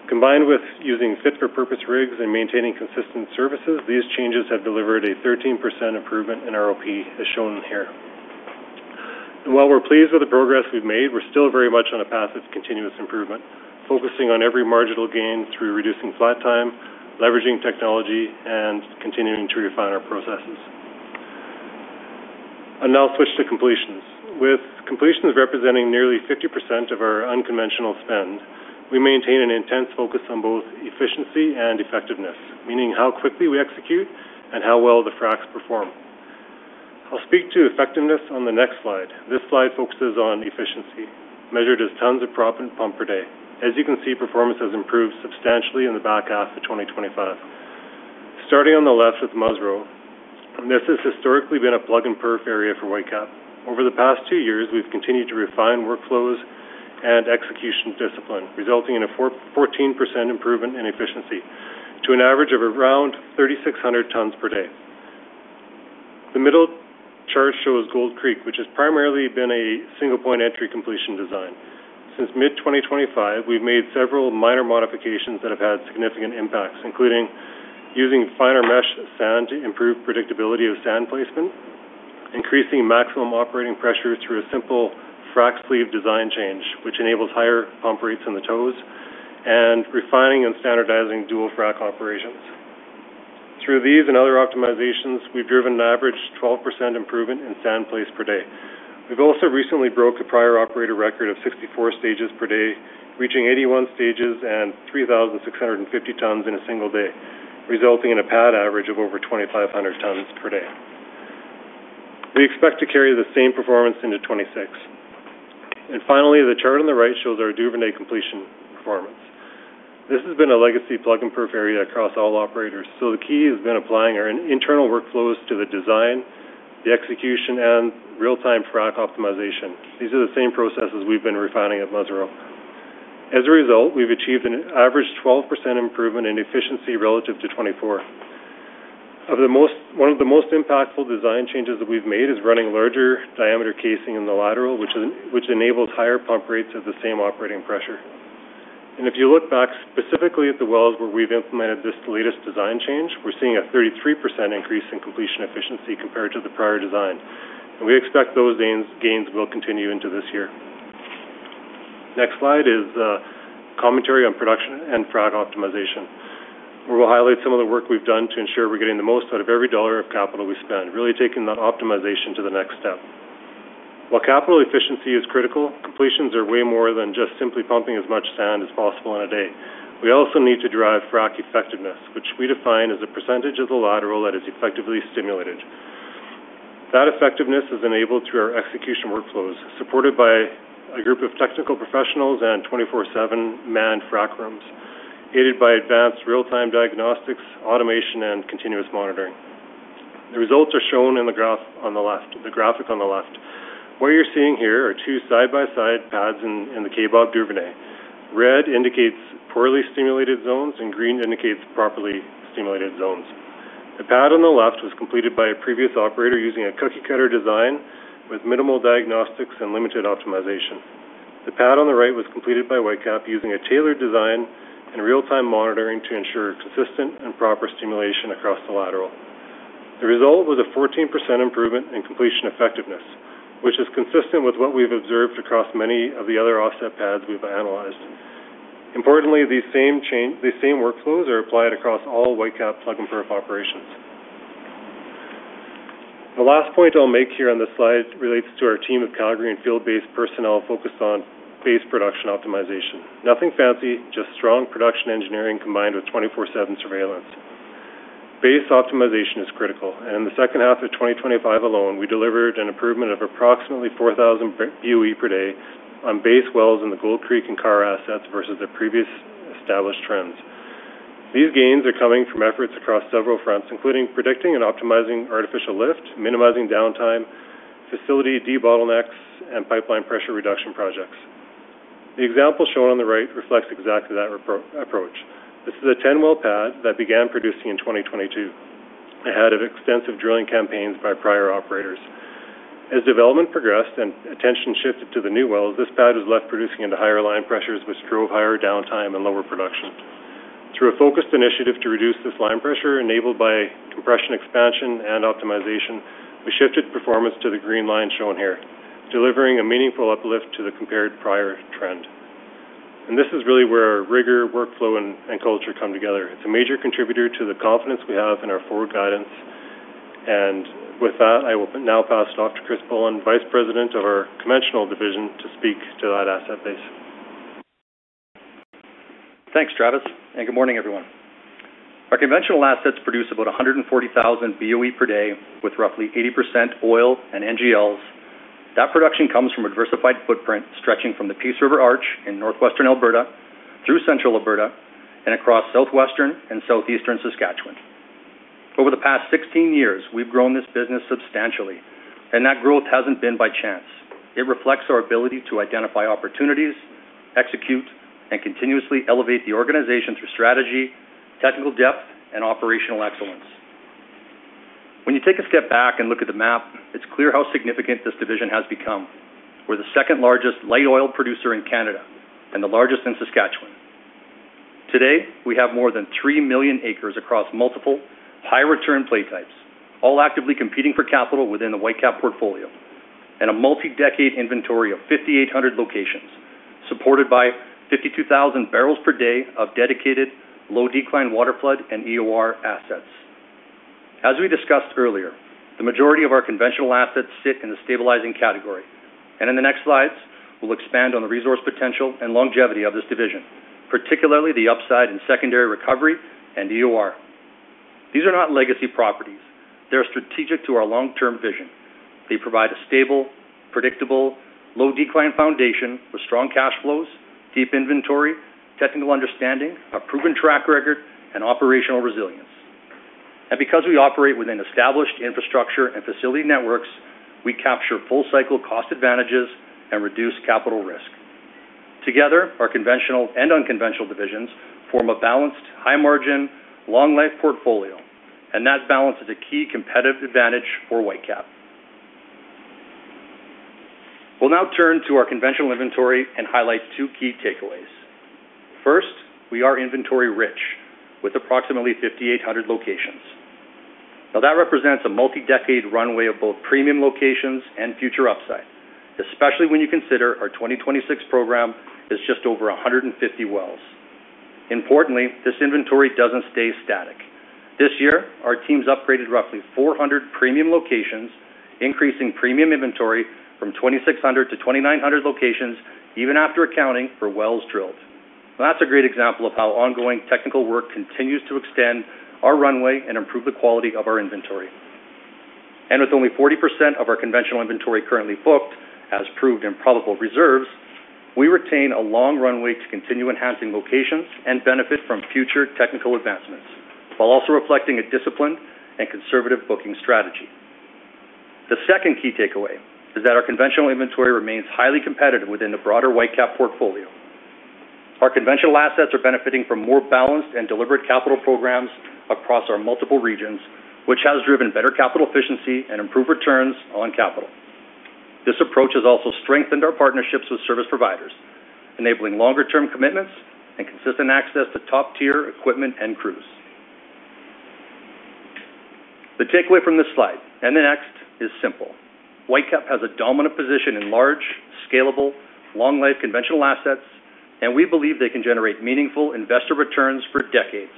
Combined with using fit-for-purpose rigs and maintaining consistent services, these changes have delivered a 13% improvement in ROP, as shown here. While we're pleased with the progress we've made, we're still very much on a path of continuous improvement, focusing on every marginal gain through reducing flat time, leveraging technology, and continuing to refine our processes. I'll now switch to completions. With completions representing nearly 50% of our unconventional spend, we maintain an intense focus on both efficiency and effectiveness, meaning how quickly we execute and how well the fracs perform. I'll speak to effectiveness on the next slide. This slide focuses on efficiency, measured as tons of prop and pump per day. As you can see, performance has improved substantially in the back half of 2025. Starting on the left with Musreau, this has historically been a plug-and-perf area for Whitecap. Over the past two years, we've continued to refine workflows and execution discipline, resulting in a 14% improvement in efficiency to an average of around 3,600 tons per day. The middle chart shows Gold Creek, which has primarily been a single-point entry completion design. Since mid-2025, we've made several minor modifications that have had significant impacts, including using finer mesh sand to improve predictability of sand placement, increasing maximum operating pressure through a simple frac sleeve design change, which enables higher pump rates in the toes, and refining and standardizing dual frac operations. Through these and other optimizations, we've driven an average 12% improvement in sand placement per day. We've also recently broken the prior operator record of 64 stages per day, reaching 81 stages and 3,650 tons in a single day, resulting in a pad average of over 2,500 tons per day. We expect to carry the same performance into 2026. And finally, the chart on the right shows our Duvernay completion performance. This has been a legacy plug-and-perf area across all operators, so the key has been applying our internal workflows to the design, the execution, and real-time frac optimization. These are the same processes we've been refining at Musreau. As a result, we've achieved an average 12% improvement in efficiency relative to 2024. One of the most impactful design changes that we've made is running larger diameter casing in the lateral, which enables higher pump rates at the same operating pressure. And if you look back specifically at the wells where we've implemented this latest design change, we're seeing a 33% increase in completion efficiency compared to the prior design. And we expect those gains will continue into this year. Next slide is commentary on production and frac optimization, where we'll highlight some of the work we've done to ensure we're getting the most out of every dollar of capital we spend, really taking that optimization to the next step. While capital efficiency is critical, completions are way more than just simply pumping as much sand as possible in a day. We also need to drive frac effectiveness, which we define as a percentage of the lateral that is effectively stimulated. That effectiveness is enabled through our execution workflows, supported by a group of technical professionals and 24/7 manned frac rooms, aided by advanced real-time diagnostics, automation, and continuous monitoring. The results are shown in the graph on the left, the graphic on the left. What you're seeing here are two side-by-side pads in the Kaybob Duvernay. Red indicates poorly stimulated zones, and green indicates properly stimulated zones. The pad on the left was completed by a previous operator using a cookie-cutter design with minimal diagnostics and limited optimization. The pad on the right was completed by Whitecap using a tailored design and real-time monitoring to ensure consistent and proper stimulation across the lateral. The result was a 14% improvement in completion effectiveness, which is consistent with what we've observed across many of the other offset pads we've analyzed. Importantly, these same workflows are applied across all Whitecap plug-and-perf operations. The last point I'll make here on this slide relates to our team of Calgary and field-based personnel focused on base production optimization. Nothing fancy, just strong production engineering combined with 24/7 surveillance. Base optimization is critical. In the second half of 2025 alone, we delivered an improvement of approximately 4,000 BOE per day on base wells in the Gold Creek and Karr assets versus their previous established trends. These gains are coming from efforts across several fronts, including predicting and optimizing artificial lift, minimizing downtime, facility debottlenecks, and pipeline pressure reduction projects. The example shown on the right reflects exactly that approach. This is a 10-well pad that began producing in 2022, ahead of extensive drilling campaigns by prior operators. As development progressed and attention shifted to the new wells, this pad was left producing into higher line pressures, which drove higher downtime and lower production. Through a focused initiative to reduce this line pressure, enabled by compression expansion and optimization, we shifted performance to the green line shown here, delivering a meaningful uplift to the compared prior trend. This is really where our rigor, workflow, and culture come together. It's a major contributor to the confidence we have in our forward guidance. And with that, I will now pass it off to Chris Bullin, Vice President of our conventional division, to speak to that asset base. Thanks, Travis. Good morning, everyone. Our conventional assets produce about 140,000 BOE per day with roughly 80% oil and NGLs. That production comes from a diversified footprint stretching from the Peace River Arch in northwestern Alberta through central Alberta and across southwestern and southeastern Saskatchewan. Over the past 16 years, we've grown this business substantially, and that growth hasn't been by chance. It reflects our ability to identify opportunities, execute, and continuously elevate the organization through strategy, technical depth, and operational excellence. When you take a step back and look at the map, it's clear how significant this division has become. We're the second largest light oil producer in Canada and the largest in Saskatchewan. Today, we have more than three million acres across multiple high-return play types, all actively competing for capital within the Whitecap portfolio, and a multi-decade inventory of 5,800 locations supported by 52,000 barrels per day of dedicated low-decline water flood and EOR assets. As we discussed earlier, the majority of our conventional assets sit in the stabilizing category. And in the next slides, we'll expand on the resource potential and longevity of this division, particularly the upside in secondary recovery and EOR. These are not legacy properties. They're strategic to our long-term vision. They provide a stable, predictable, low-decline foundation with strong cash flows, deep inventory, technical understanding, a proven track record, and operational resilience. Because we operate within established infrastructure and facility networks, we capture full-cycle cost advantages and reduce capital risk. Together, our conventional and unconventional divisions form a balanced, high-margin, long-life portfolio, and that balance is a key competitive advantage for Whitecap. We'll now turn to our conventional inventory and highlight two key takeaways. First, we are inventory-rich with approximately 5,800 locations. Now, that represents a multi-decade runway of both premium locations and future upside, especially when you consider our 2026 program is just over 150 wells. Importantly, this inventory doesn't stay static. This year, our team's upgraded roughly 400 premium locations, increasing premium inventory from 2,600 to 2,900 locations, even after accounting for wells drilled. That's a great example of how ongoing technical work continues to extend our runway and improve the quality of our inventory. With only 40% of our conventional inventory currently booked as proved and probable reserves, we retain a long runway to continue enhancing locations and benefit from future technical advancements, while also reflecting a disciplined and conservative booking strategy. The second key takeaway is that our conventional inventory remains highly competitive within the broader Whitecap portfolio. Our conventional assets are benefiting from more balanced and deliberate capital programs across our multiple regions, which has driven better capital efficiency and improved returns on capital. This approach has also strengthened our partnerships with service providers, enabling longer-term commitments and consistent access to top-tier equipment and crews. The takeaway from this slide and the next is simple. Whitecap has a dominant position in large, scalable, long-life conventional assets, and we believe they can generate meaningful investor returns for decades.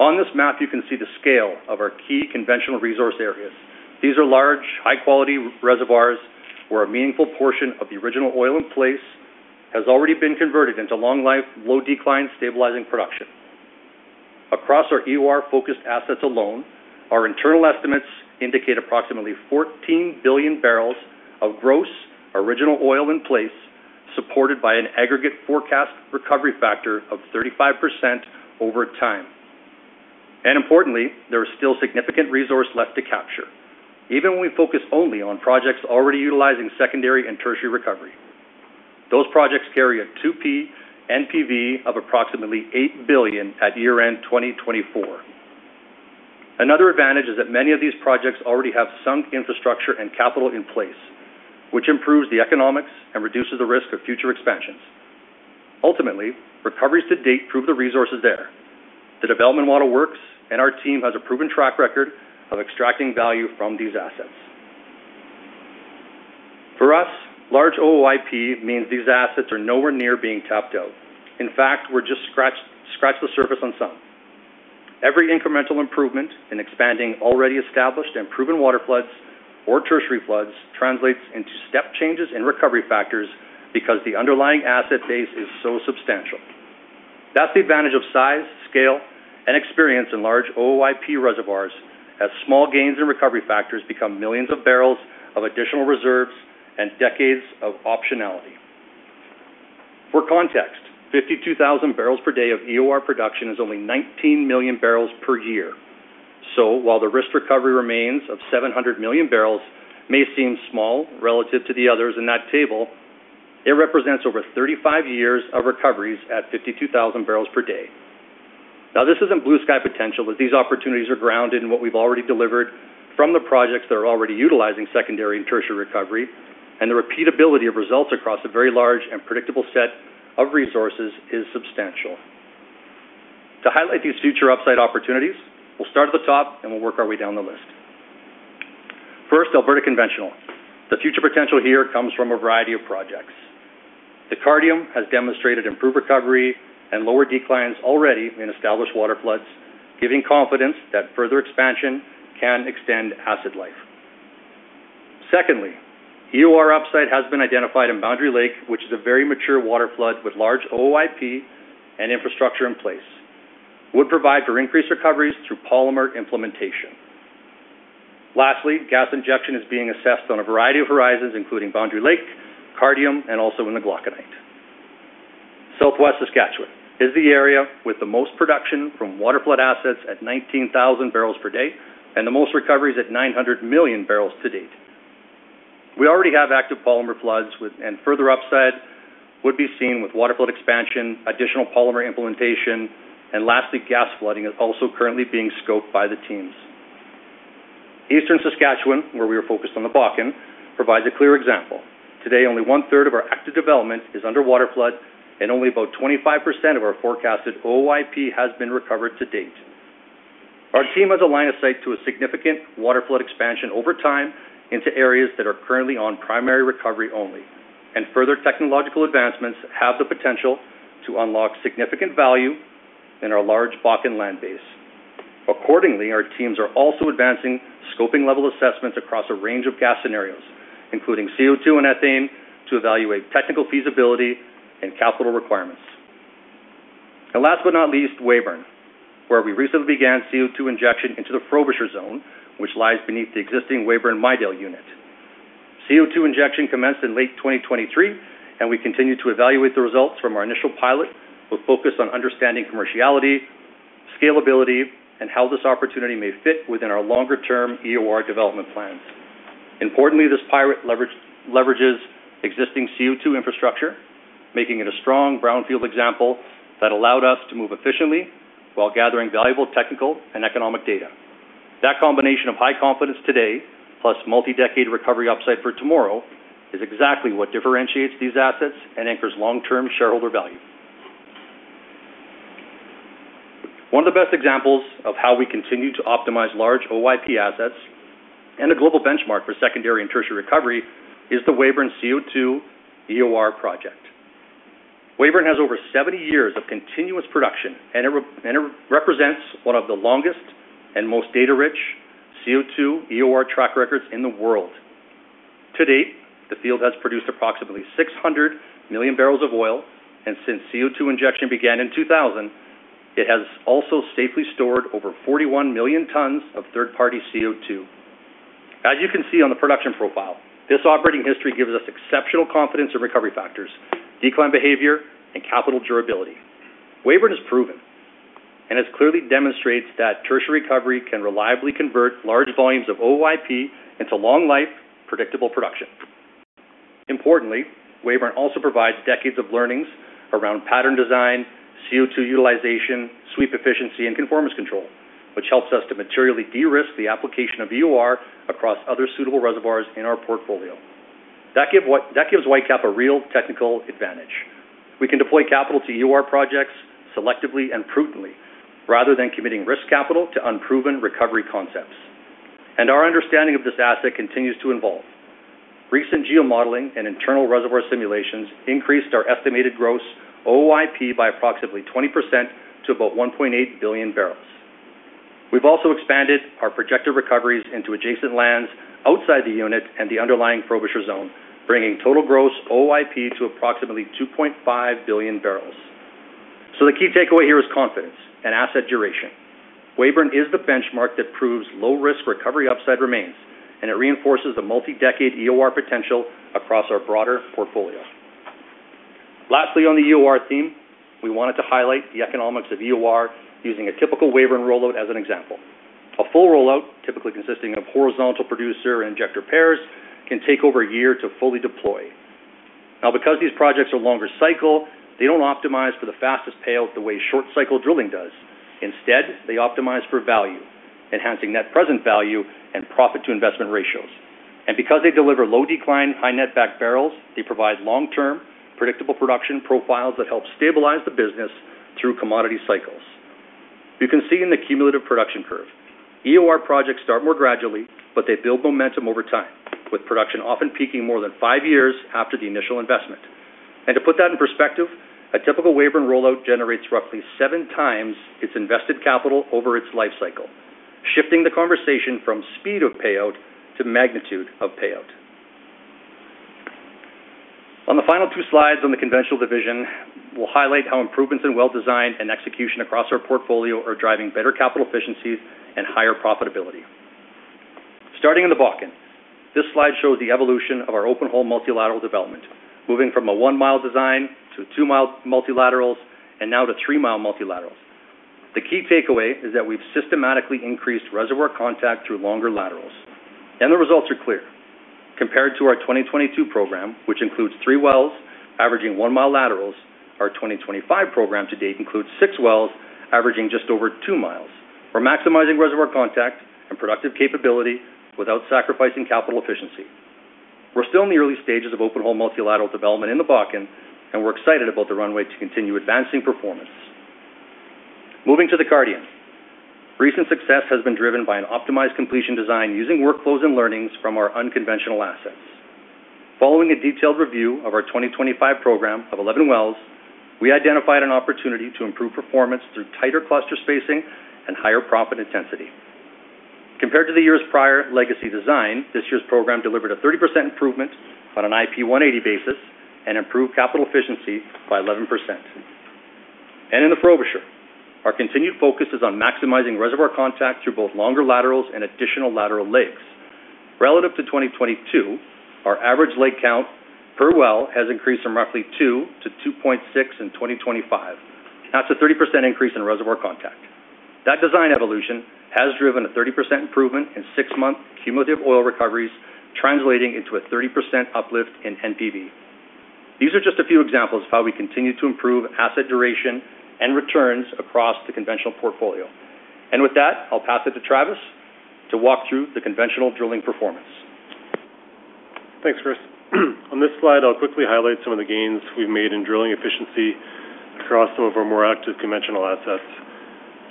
On this map, you can see the scale of our key conventional resource areas. These are large, high-quality reservoirs where a meaningful portion of the original oil in place has already been converted into long-life, low-decline, stabilizing production. Across our EOR-focused assets alone, our internal estimates indicate approximately 14 billion barrels of gross original oil in place, supported by an aggregate forecast recovery factor of 35% over time. And importantly, there is still significant resource left to capture, even when we focus only on projects already utilizing secondary and tertiary recovery. Those projects carry a 2P NPV of approximately 8 billion at year-end 2024. Another advantage is that many of these projects already have sunk infrastructure and capital in place, which improves the economics and reduces the risk of future expansions. Ultimately, recoveries to date prove the resources there. The development model works, and our team has a proven track record of extracting value from these assets. For us, large OOIP means these assets are nowhere near being tapped out. In fact, we've just scratched the surface on some. Every incremental improvement in expanding already established and proven water floods or tertiary floods translates into step changes in recovery factors because the underlying asset base is so substantial. That's the advantage of size, scale, and experience in large OOIP reservoirs as small gains in recovery factors become millions of barrels of additional reserves and decades of optionality. For context, 52,000 barrels per day of EOR production is only 19 million barrels per year. So while the risked recovery remaining of 700 million barrels may seem small relative to the others in that table, it represents over 35 years of recoveries at 52,000 barrels per day. Now, this isn't blue sky potential, as these opportunities are grounded in what we've already delivered from the projects that are already utilizing secondary and tertiary recovery, and the repeatability of results across a very large and predictable set of resources is substantial. To highlight these future upside opportunities, we'll start at the top and we'll work our way down the list. First, Alberta Conventional. The future potential here comes from a variety of projects. The Cardium has demonstrated improved recovery and lower declines already in established water floods, giving confidence that further expansion can extend field life. Secondly, EOR upside has been identified in Boundary Lake, which is a very mature water flood with large OOIP and infrastructure in place. It would provide for increased recoveries through polymer implementation. Lastly, gas injection is being assessed on a variety of horizons, including Boundary Lake, Cardium, and also in the Glauconite. Southwest Saskatchewan is the area with the most production from water flood assets at 19,000 barrels per day and the most recoveries at 900 million barrels to date. We already have active polymer floods, and further upside would be seen with water flood expansion, additional polymer implementation, and lastly, gas flooding is also currently being scoped by the teams. Eastern Saskatchewan, where we are focused on the Bakken, provides a clear example. Today, only one-third of our active development is under water flood, and only about 25% of our forecasted OOIP has been recovered to date. Our team has aligned a site to a significant water flood expansion over time into areas that are currently on primary recovery only, and further technological advancements have the potential to unlock significant value in our large Bakken land base. Accordingly, our teams are also advancing scoping-level assessments across a range of gas scenarios, including CO2 and ethane, to evaluate technical feasibility and capital requirements, and last but not least, Weyburn, where we recently began CO2 injection into the Frobisher zone, which lies beneath the existing Weyburn-Midale Unit. CO2 injection commenced in late 2023, and we continue to evaluate the results from our initial pilot, with focus on understanding commerciality, scalability, and how this opportunity may fit within our longer-term EOR development plans. Importantly, this pilot leverages existing CO2 infrastructure, making it a strong brownfield example that allowed us to move efficiently while gathering valuable technical and economic data. That combination of high confidence today, plus multi-decade recovery upside for tomorrow, is exactly what differentiates these assets and anchors long-term shareholder value. One of the best examples of how we continue to optimize large OOIP assets and a global benchmark for secondary and tertiary recovery is the Weyburn CO2 EOR project. Weyburn has over 70 years of continuous production, and it represents one of the longest and most data-rich CO2 EOR track records in the world. To date, the field has produced approximately 600 million barrels of oil, and since CO2 injection began in 2000, it has also safely stored over 41 million tons of third-party CO2. As you can see on the production profile, this operating history gives us exceptional confidence in recovery factors, decline behavior, and capital durability. Weyburn has proven and has clearly demonstrated that tertiary recovery can reliably convert large volumes of OOIP into long-life, predictable production. Importantly, Weyburn also provides decades of learnings around pattern design, CO2 utilization, sweep efficiency, and conformance control, which helps us to materially de-risk the application of EOR across other suitable reservoirs in our portfolio. That gives Whitecap a real technical advantage. We can deploy capital to EOR projects selectively and prudently, rather than committing risk capital to unproven recovery concepts. And our understanding of this asset continues to evolve. Recent geomodeling and internal reservoir simulations increased our estimated gross OOIP by approximately 20% to about 1.8 billion barrels. We've also expanded our projected recoveries into adjacent lands outside the unit and the underlying Frobisher zone, bringing total gross OOIP to approximately 2.5 billion barrels. So the key takeaway here is confidence and asset duration. Weyburn is the benchmark that proves low-risk recovery upside remains, and it reinforces the multi-decade EOR potential across our broader portfolio. Lastly, on the EOR theme, we wanted to highlight the economics of EOR using a typical Weyburn rollout as an example. A full rollout, typically consisting of horizontal producer and injector pairs, can take over a year to fully deploy. Now, because these projects are longer cycle, they don't optimize for the fastest payout the way short-cycle drilling does. Instead, they optimize for value, enhancing net present value and profit-to-investment ratios. And because they deliver low-decline, high-net-back barrels, they provide long-term, predictable production profiles that help stabilize the business through commodity cycles. You can see in the cumulative production curve, EOR projects start more gradually, but they build momentum over time, with production often peaking more than five years after the initial investment. To put that in perspective, a typical Weyburn rollout generates roughly seven times its invested capital over its lifecycle, shifting the conversation from speed of payout to magnitude of payout. On the final two slides on the conventional division, we'll highlight how improvements in well design and execution across our portfolio are driving better capital efficiencies and higher profitability. Starting in the Bakken, this slide shows the evolution of our open hole multilateral development, moving from a one-mile design to two-mile multilaterals and now to three-mile multilaterals. The key takeaway is that we've systematically increased reservoir contact through longer laterals. The results are clear. Compared to our 2022 program, which includes three wells averaging one-mile laterals, our 2025 program to date includes six wells averaging just over two miles. We're maximizing reservoir contact and productive capability without sacrificing capital efficiency. We're still in the early stages of open hole multilateral development in the Bakken, and we're excited about the runway to continue advancing performance. Moving to the Cardium. Recent success has been driven by an optimized completion design using workflows and learnings from our unconventional assets. Following a detailed review of our 2025 program of 11 wells, we identified an opportunity to improve performance through tighter cluster spacing and higher proppant intensity. Compared to the years' prior legacy design, this year's program delivered a 30% improvement on an IP 180 basis and improved capital efficiency by 11% and in the Frobisher, our continued focus is on maximizing reservoir contact through both longer laterals and additional lateral legs. Relative to 2022, our average leg count per well has increased from roughly 2 to 2.6 in 2025. That's a 30% increase in reservoir contact. That design evolution has driven a 30% improvement in six-month cumulative oil recoveries, translating into a 30% uplift in NPV. These are just a few examples of how we continue to improve asset duration and returns across the conventional portfolio. With that, I'll pass it to Travis to walk through the conventional drilling performance. Thanks, Chris. On this slide, I'll quickly highlight some of the gains we've made in drilling efficiency across some of our more active conventional assets.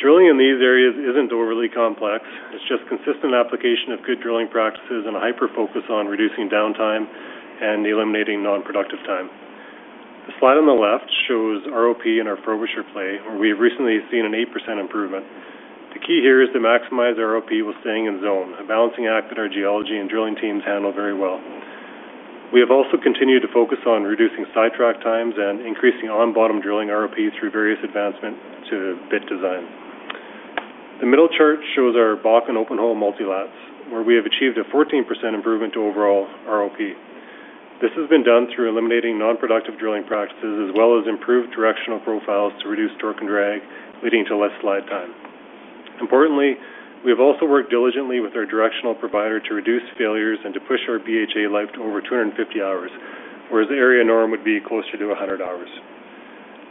Drilling in these areas isn't overly complex. It's just consistent application of good drilling practices and a hyper focus on reducing downtime and eliminating non-productive time. The slide on the left shows ROP in our Frobisher play, where we have recently seen an 8% improvement. The key here is to maximize ROP while staying in zone, a balancing act that our geology and drilling teams handle very well. We have also continued to focus on reducing side track times and increasing on-bottom drilling ROP through various advancements to bit design. The middle chart shows our Bakken open hole multilats, where we have achieved a 14% improvement to overall ROP. This has been done through eliminating non-productive drilling practices as well as improved directional profiles to reduce torque and drag, leading to less slide time. Importantly, we have also worked diligently with our directional provider to reduce failures and to push our BHA life to over 250 hours, whereas area norm would be closer to 100 hours.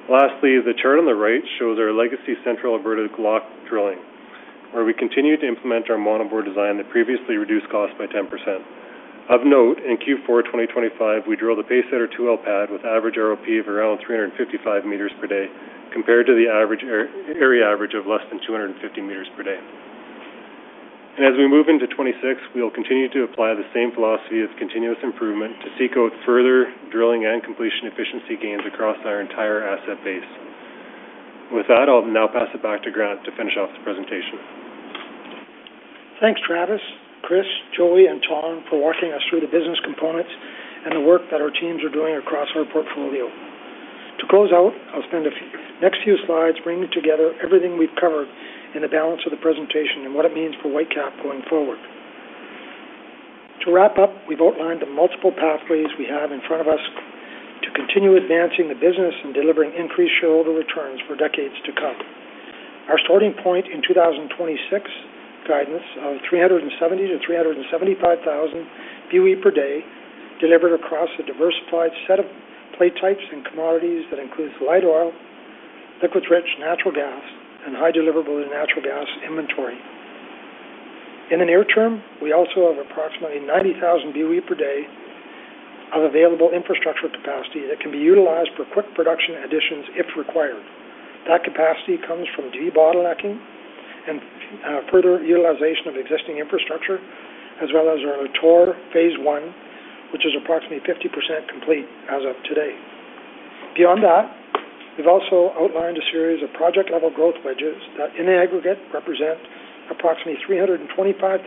Lastly, the chart on the right shows our legacy central Alberta Glauconite drilling, where we continue to implement our monobore design that previously reduced costs by 10%. Of note, in Q4 2025, we drilled a Pacer 2L pad with average ROP of around 355 meters per day compared to the area average of less than 250 meters per day, and as we move into 2026, we will continue to apply the same philosophy of continuous improvement to seek out further drilling and completion efficiency gains across our entire asset base. With that, I'll now pass it back to Grant to finish off the presentation. Thanks, Travis, Chris, Joey, and Thanh for walking us through the business components and the work that our teams are doing across our portfolio. To close out, I'll spend the next few slides bringing together everything we've covered in the balance of the presentation and what it means for Whitecap going forward. To wrap up, we've outlined the multiple pathways we have in front of us to continue advancing the business and delivering increased shareholder returns for decades to come. Our starting point in 2026 guidance of 370-375,000 BOE per day delivered across a diversified set of play types and commodities that includes light oil, liquids-rich natural gas, and high deliverability natural gas inventory. In the near term, we also have approximately 90,000 BOE per day of available infrastructure capacity that can be utilized for quick production additions if required. That capacity comes from debottlenecking and further utilization of existing infrastructure, as well as our Lator Phase 1, which is approximately 50% complete as of today. Beyond that, we've also outlined a series of project-level growth wedges that in aggregate represent approximately 325,000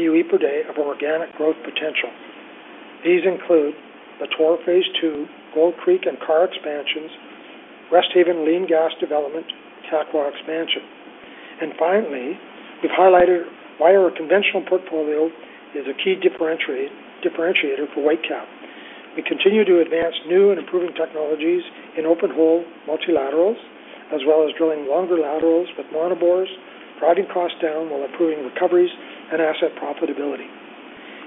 BOE per day of organic growth potential. These include Lator Phase 2, Gold Creek and Karr expansions, Resthaven lean gas development, and Kakwa expansion. And finally, we've highlighted why our conventional portfolio is a key differentiator for Whitecap. We continue to advance new and improving technologies in open hole multilaterals, as well as drilling longer laterals with monobores, providing cost down while improving recoveries and asset profitability.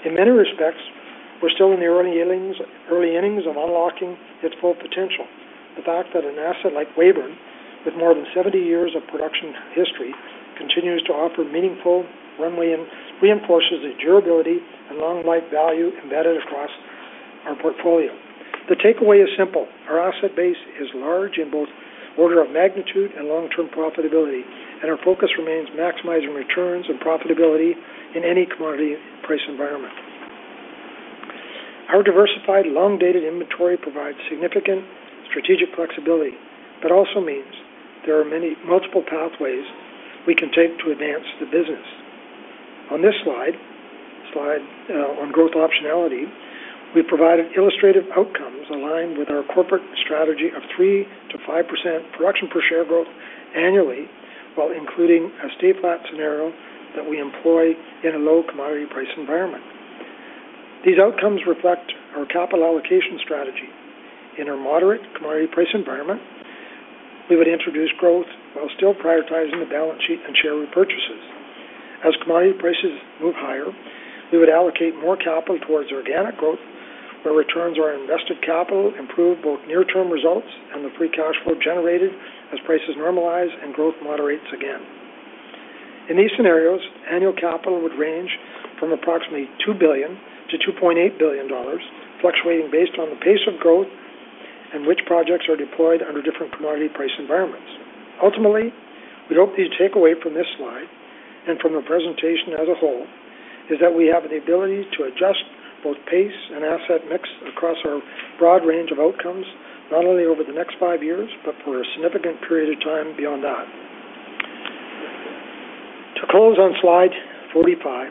In many respects, we're still in the early innings of unlocking its full potential. The fact that an asset like Weyburn, with more than 70 years of production history, continues to offer meaningful runway and reinforces the durability and long-life value embedded across our portfolio. The takeaway is simple. Our asset base is large in both order of magnitude and long-term profitability, and our focus remains maximizing returns and profitability in any commodity price environment. Our diversified, long-dated inventory provides significant strategic flexibility, but also means there are multiple pathways we can take to advance the business. On this slide on growth optionality, we provide illustrative outcomes aligned with our corporate strategy of 3%-5% production per share growth annually while including a state flat scenario that we employ in a low commodity price environment. These outcomes reflect our capital allocation strategy. In our moderate commodity price environment, we would introduce growth while still prioritizing the balance sheet and share repurchases. As commodity prices move higher, we would allocate more capital towards organic growth, where returns are invested capital, improving both near-term results and the free cash flow generated as prices normalize and growth moderates again. In these scenarios, annual capital would range from approximately 2 billion-2.8 billion dollars, fluctuating based on the pace of growth and which projects are deployed under different commodity price environments. Ultimately, we hope the takeaway from this slide and from the presentation as a whole is that we have the ability to adjust both pace and asset mix across our broad range of outcomes, not only over the next five years, but for a significant period of time beyond that. To close on slide 45,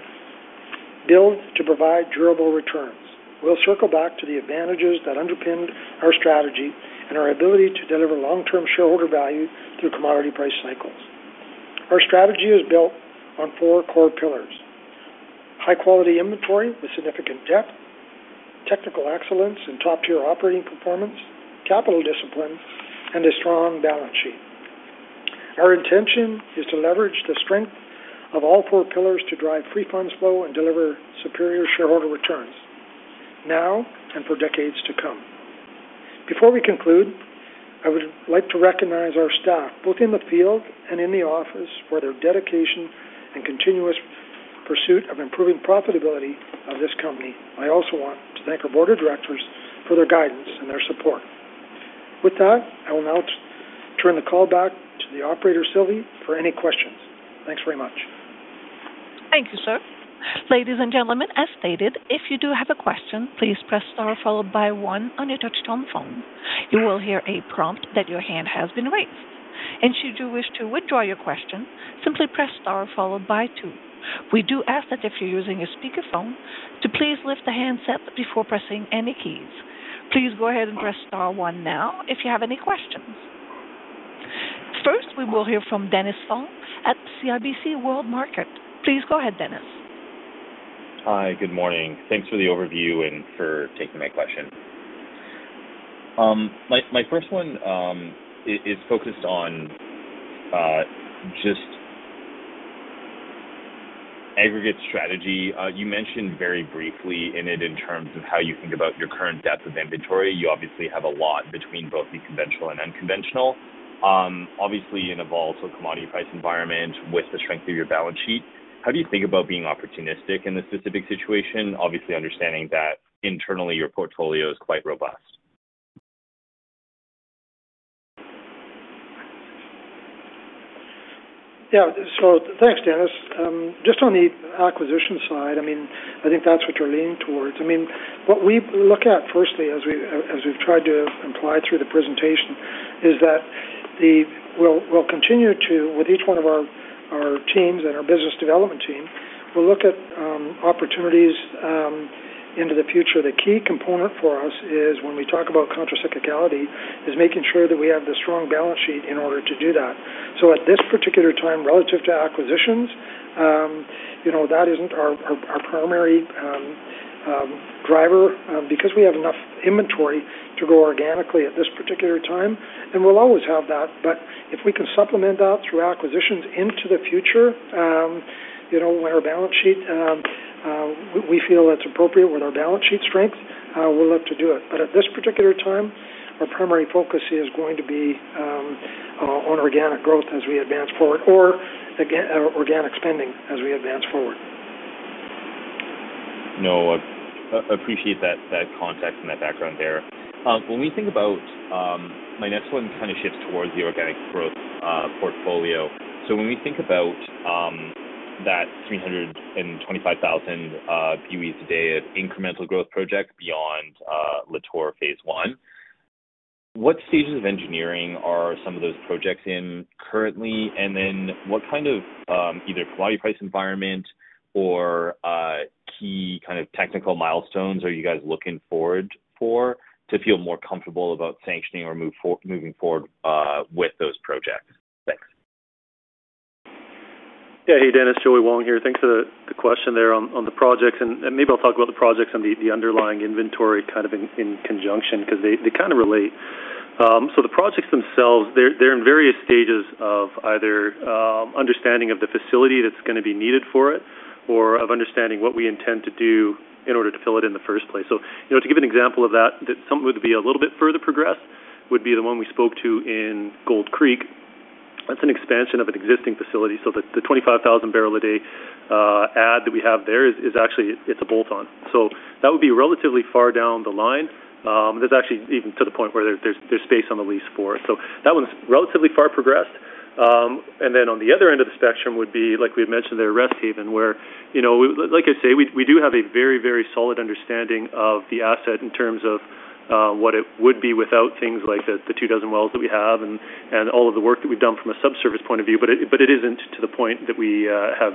build to provide durable returns. We'll circle back to the advantages that underpinned our strategy and our ability to deliver long-term shareholder value through commodity price cycles. Our strategy is built on four core pillars: high-quality inventory with significant depth, technical excellence, and top-tier operating performance, capital discipline, and a strong balance sheet. Our intention is to leverage the strength of all four pillars to free funds flow and deliver superior shareholder returns now and for decades to come. Before we conclude, I would like to recognize our staff, both in the field and in the office, for their dedication and continuous pursuit of improving profitability of this company. I also want to thank our board of directors for their guidance and their support. With that, I will now turn the call back to the operator, Sylvie, for any questions. Thanks very much. Thank you, sir. Ladies and gentlemen, as stated, if you do have a question, please press star followed by one on your touch-tone phone. You will hear a prompt that your hand has been raised, and should you wish to withdraw your question, simply press star followed by two. We do ask that if you're using a speakerphone, to please lift the handset before pressing any keys. Please go ahead and press star one now if you have any questions. First, we will hear from Dennis Fong at CIBC World Markets. Please go ahead, Dennis. Hi, good morning. Thanks for the overview and for taking my question. My first one is focused on just aggregate strategy. You mentioned very briefly in it in terms of how you think about your current depth of inventory. You obviously have a lot between both the conventional and unconventional. Obviously, in a volatile commodity price environment with the strength of your balance sheet, how do you think about being opportunistic in this specific situation? Obviously, understanding that internally your portfolio is quite robust. Yeah, so thanks, Dennis. Just on the acquisition side, I mean, I think that's what you're leaning towards. I mean, what we look at firstly, as we've tried to imply through the presentation, is that we'll continue to, with each one of our teams and our business development team, we'll look at opportunities into the future. The key component for us is when we talk about contracyclicality, is making sure that we have the strong balance sheet in order to do that, so at this particular time, relative to acquisitions, that isn't our primary driver because we have enough inventory to go organically at this particular time, and we'll always have that, but if we can supplement that through acquisitions into the future, when our balance sheet, we feel that's appropriate with our balance sheet strength, we'll have to do it, but at this particular time, our primary focus is going to be on organic growth as we advance forward or organic spending as we advance forward. No, I appreciate that context and that background there. When we think about my next one kind of shifts towards the organic growth portfolio. So when we think about that 325,000 BOEs a day of incremental growth project beyond Lator Phase 1, what stages of engineering are some of those projects in currently? And then what kind of either commodity price environment or key kind of technical milestones are you guys looking forward for to feel more comfortable about sanctioning or moving forward with those projects? Thanks. Yeah, hey, Dennis, Joey Wong here. Thanks for the question there on the projects. And maybe I'll talk about the projects and the underlying inventory kind of in conjunction because they kind of relate. So the projects themselves, they're in various stages of either understanding of the facility that's going to be needed for it or of understanding what we intend to do in order to fill it in the first place. So to give an example of that, something that would be a little bit further progressed would be the one we spoke to in Gold Creek. That's an expansion of an existing facility. So the 25,000 barrel a day add that we have there is actually a bolt-on. So that would be relatively far down the line. There's actually even to the point where there's space on the lease for it. So that one's relatively far progressed. And then on the other end of the spectrum would be, like we had mentioned there, Resthaven, where, like I say, we do have a very, very solid understanding of the asset in terms of what it would be without things like the two dozen wells that we have and all of the work that we've done from a subsurface point of view, but it isn't to the point that we have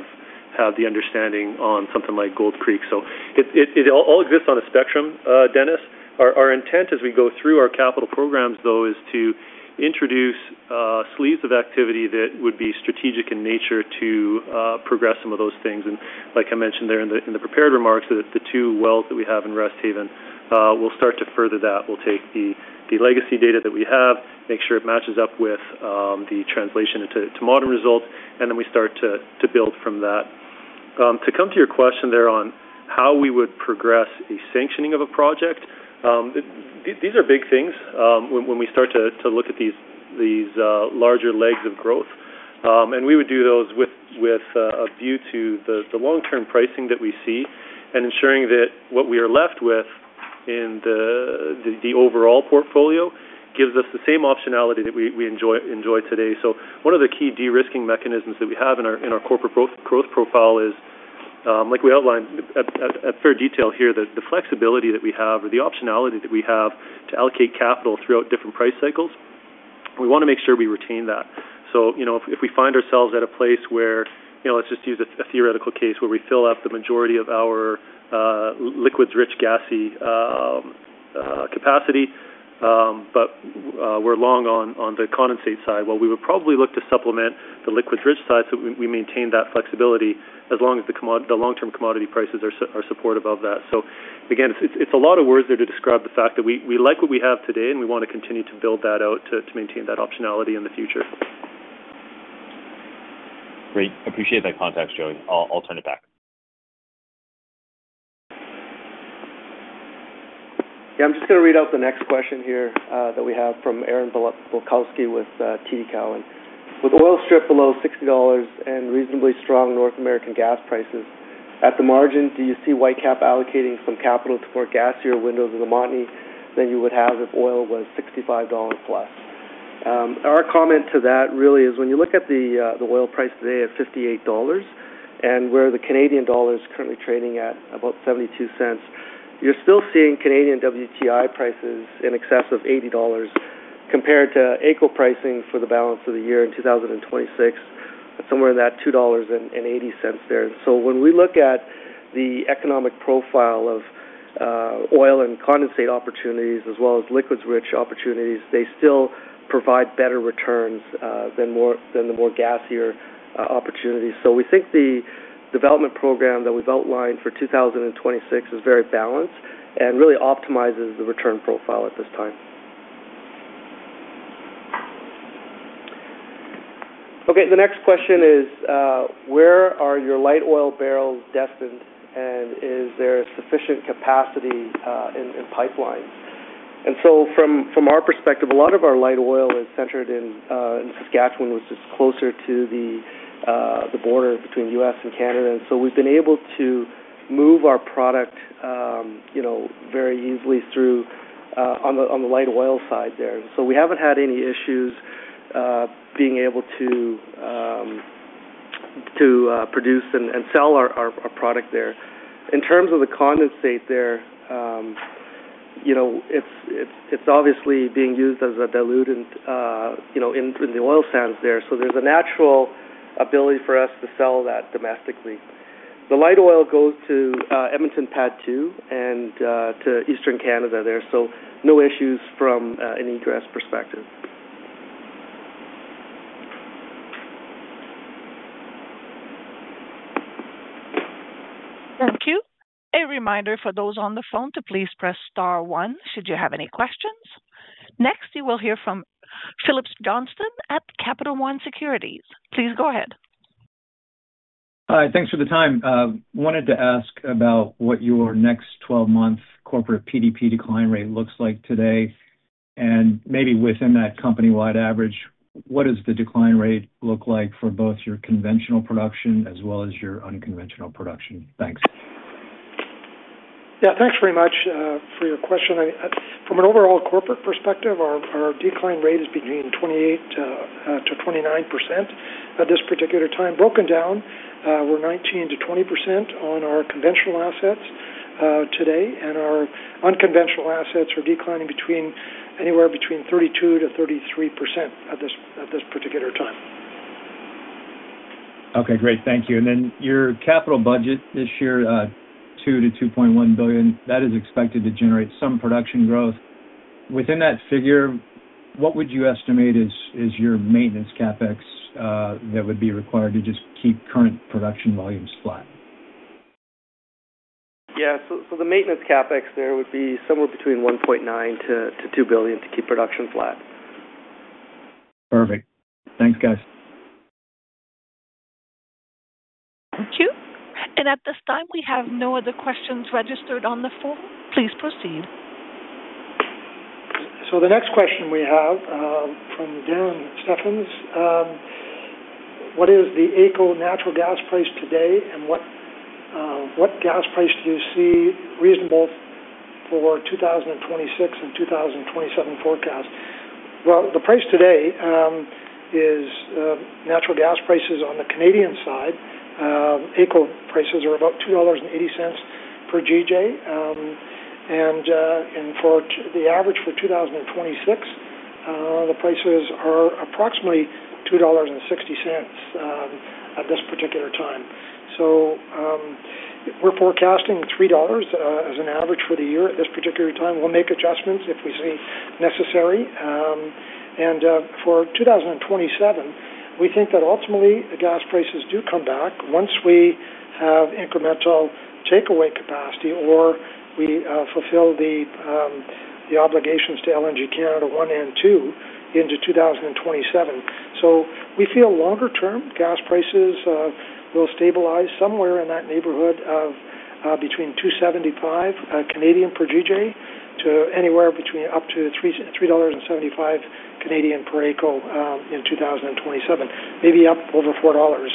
the understanding on something like Gold Creek. So it all exists on a spectrum, Dennis. Our intent as we go through our capital programs, though, is to introduce sleeves of activity that would be strategic in nature to progress some of those things. And like I mentioned there in the prepared remarks, the two wells that we have in Resthaven, we'll start to further that. We'll take the legacy data that we have, make sure it matches up with the translation to modern results, and then we start to build from that. To come to your question there on how we would progress a sanctioning of a project, these are big things when we start to look at these larger legs of growth, and we would do those with a view to the long-term pricing that we see and ensuring that what we are left with in the overall portfolio gives us the same optionality that we enjoy today, so one of the key de-risking mechanisms that we have in our corporate growth profile is, like we outlined at fair detail here, the flexibility that we have or the optionality that we have to allocate capital throughout different price cycles. We want to make sure we retain that. So if we find ourselves at a place where, let's just use a theoretical case, where we fill up the majority of our liquids-rich gassy capacity, but we're long on the condensate side, well, we would probably look to supplement the liquids-rich side so we maintain that flexibility as long as the long-term commodity prices are supportive of that. So again, it's a lot of words there to describe the fact that we like what we have today and we want to continue to build that out to maintain that optionality in the future. Great. Appreciate that context, Joey. I'll turn it back. Yeah, I'm just going to read out the next question here that we have from Aaron Bilkoski with TD Cowen. With oil stripped below $60 and reasonably strong North American gas prices, at the margin, do you see Whitecap allocating some capital to more gassier windows of the Montney than you would have if oil was $65 plus? Our comment to that really is when you look at the oil price today at $58 and where the Canadian dollar is currently trading at about 72 cents, you're still seeing Canadian WTI prices in excess of $80 compared to AECO pricing for the balance of the year in 2026, somewhere in that $2.80 there. So when we look at the economic profile of oil and condensate opportunities as well as liquids-rich opportunities, they still provide better returns than the more gassier opportunities. So we think the development program that we've outlined for 2026 is very balanced and really optimizes the return profile at this time. Okay, the next question is, where are your light oil barrels destined and is there sufficient capacity in pipelines? And so from our perspective, a lot of our light oil is centered in Saskatchewan, which is closer to the border between the U.S. and Canada. And so we've been able to move our product very easily on the light oil side there. So we haven't had any issues being able to produce and sell our product there. In terms of the condensate there, it's obviously being used as a diluent in the oil sands there. So there's a natural ability for us to sell that domestically. The light oil goes to Edmonton PADD 2 and to Eastern Canada there. So no issues from an egress perspective. Thank you. A reminder for those on the phone to please press star one should you have any questions. Next, you will hear from Phillips Johnston at Capital One Securities. Please go ahead. Hi, thanks for the time. Wanted to ask about what your next 12-month corporate PDP decline rate looks like today. And maybe within that company-wide average, what does the decline rate look like for both your conventional production as well as your unconventional production? Thanks. Yeah, thanks very much for your question. From an overall corporate perspective, our decline rate is between 28%-29% at this particular time. Broken down, we're 19%-20% on our conventional assets today. And our unconventional assets are declining anywhere between 32%-33% at this particular time. Okay, great. Thank you. And then your capital budget this year, 2-2.1 billion, that is expected to generate some production growth. Within that figure, what would you estimate is your maintenance CapEx that would be required to just keep current production volumes flat? Yeah, so the maintenance CapEx there would be somewhere between 1.9 to 2 billion to keep production flat. Perfect. Thanks, guys. Thank you. And at this time, we have no other questions registered on the phone. Please proceed. So the next question we have from Darren Steffens, what is the AECO natural gas price today and what gas price do you see reasonable for 2026 and 2027 forecast? Well, the price today is natural gas prices on the Canadian side. AECO prices are about 2.80 dollars per GJ. And for the average for 2026, the prices are approximately 2.60 dollars at this particular time. So we're forecasting 3 dollars as an average for the year at this particular time. We'll make adjustments if we see necessary. For 2027, we think that ultimately the gas prices do come back once we have incremental takeaway capacity or we fulfill the obligations to LNG Canada one and two into 2027. We feel longer-term gas prices will stabilize somewhere in that neighborhood of between 2.75 per GJ to anywhere between up to 3.75 dollars per AECO in 2027. Maybe up over 4 dollars.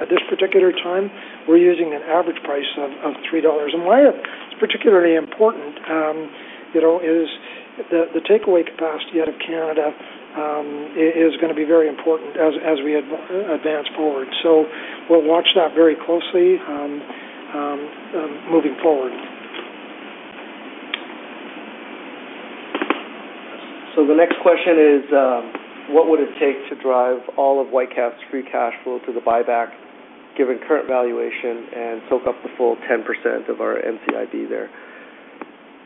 At this particular time, we're using an average price of 3 dollars. Why it's particularly important is the takeaway capacity out of Canada is going to be very important as we advance forward. We'll watch that very closely moving forward. The next question is, what would it take to drive all of Whitecap's free cash flow to the buyback given current valuation and soak up the full 10% of our NCIB there?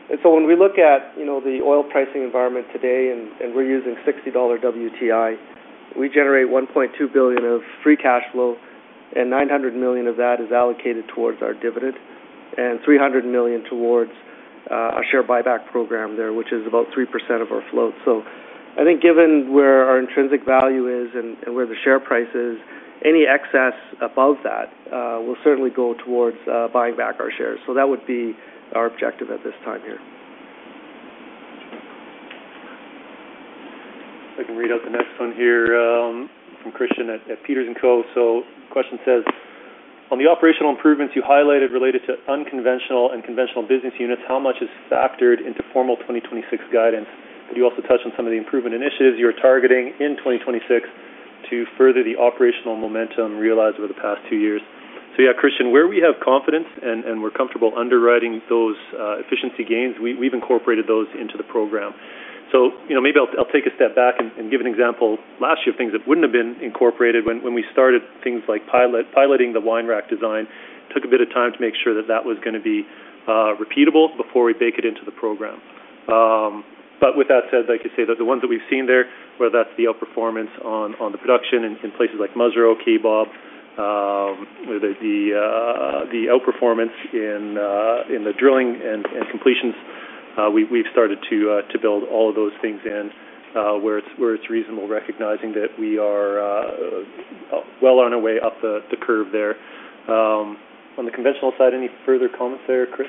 And so when we look at the oil pricing environment today and we're using $60 WTI, we generate 1.2 billion of free cash flow and 900 million of that is allocated towards our dividend and 300 million towards our share buyback program there, which is about 3% of our float. So I think given where our intrinsic value is and where the share price is, any excess above that will certainly go towards buying back our shares. So that would be our objective at this time here. I can read out the next one here from Christian at Peters & Co. So the question says, on the operational improvements you highlighted related to unconventional and conventional business units, how much is factored into formal 2026 guidance? Could you also touch on some of the improvement initiatives you're targeting in 2026 to further the operational momentum realized over the past two years? So yeah, Christian, where we have confidence and we're comfortable underwriting those efficiency gains, we've incorporated those into the program. So maybe I'll take a step back and give an example last year of things that wouldn't have been incorporated when we started things wine rack design, took a bit of time to make sure that that was going to be repeatable before we bake it into the program. But with that said, like I say, the ones that we've seen there, whether that's the outperformance on the production in places like Musreau, Kaybob, the outperformance in the drilling and completions, we've started to build all of those things in where it's reasonable recognizing that we are well on our way up the curve there. On the conventional side, any further comments there, Chris?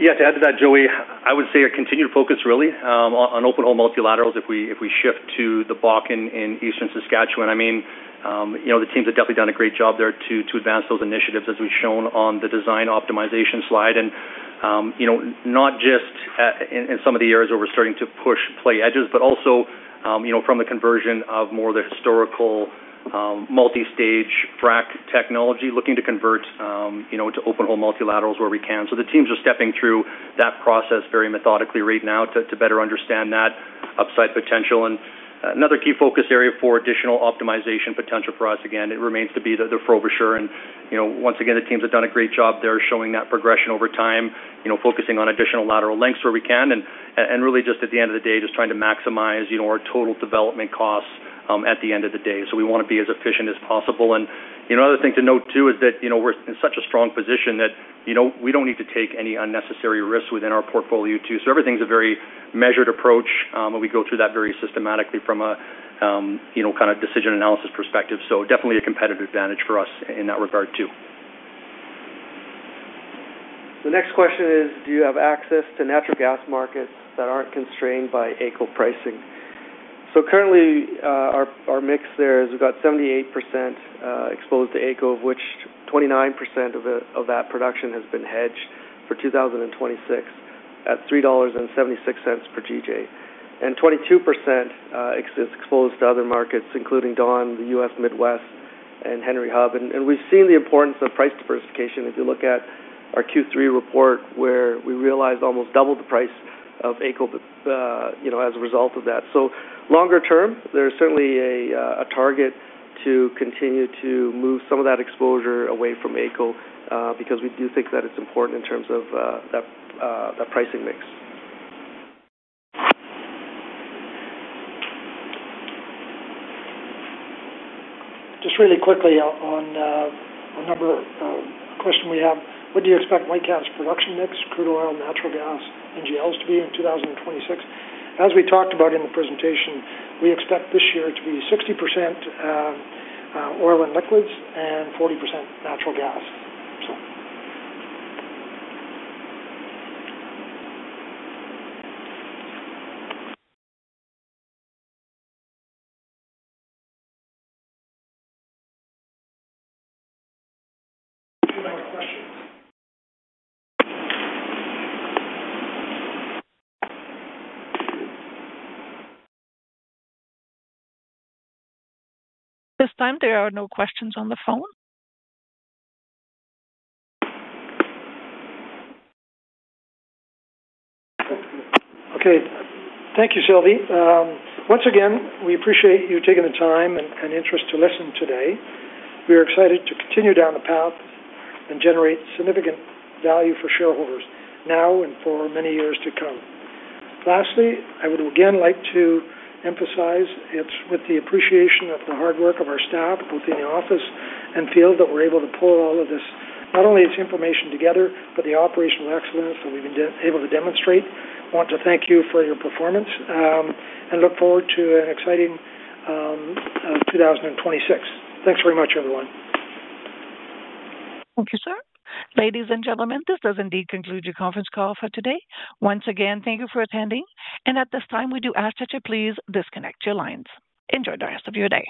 Yeah, to add to that, Joey, I would say a continued focus really on open hole multilaterals in the Bakken in Eastern Saskatchewan. I mean, the teams have definitely done a great job there to advance those initiatives as we've shown on the design optimization slide. And not just in some of the areas where we're starting to push play edges, but also from the conversion of more of the historical multi-stage frac technology, looking to convert to open hole multilaterals where we can. So the teams are stepping through that process very methodically right now to better understand that upside potential. And another key focus area for additional optimization potential for us, again, it remains to be the Frobisher. And once again, the teams have done a great job there showing that progression over time, focusing on additional lateral lengths where we can. And really just at the end of the day, just trying to maximize our total development costs at the end of the day. So we want to be as efficient as possible. Another thing to note too is that we're in such a strong position that we don't need to take any unnecessary risks within our portfolio too. Everything's a very measured approach. We go through that very systematically from a kind of decision analysis perspective. Definitely a competitive advantage for us in that regard too. The next question is, do you have access to natural gas markets that aren't constrained by AECO pricing? Currently, our mix there is we've got 78% exposed to AECO, of which 29% of that production has been hedged for 2026 at C$3.76 per GJ. 22% exposed to other markets, including Dawn, the U.S. Midwest, and Henry Hub. We've seen the importance of price diversification. If you look at our Q3 report, where we realized almost double the price of AECO as a result of that. So longer term, there's certainly a target to continue to move some of that exposure away from AECO because we do think that it's important in terms of that pricing mix. Just really quickly on a number of questions we have. What do you expect Whitecap's production mix, crude oil, natural gas, and GLs to be in 2026? As we talked about in the presentation, we expect this year to be 60% oil and liquids and 40% natural gas. At this time, there are no questions on the phone. Okay. Thank you, Sylvie. Once again, we appreciate you taking the time and interest to listen today. We are excited to continue down the path and generate significant value for shareholders now and for many years to come. Lastly, I would again like to emphasize it's with the appreciation of the hard work of our staff, both in the office and field, that we're able to pull all of this, not only its information together, but the operational excellence that we've been able to demonstrate. I want to thank you for your performance and look forward to an exciting 2026. Thanks very much, everyone. Thank you, sir. Ladies and gentlemen, this does indeed conclude your conference call for today. Once again, thank you for attending, and at this time, we do ask that you please disconnect your lines. Enjoy the rest of your day.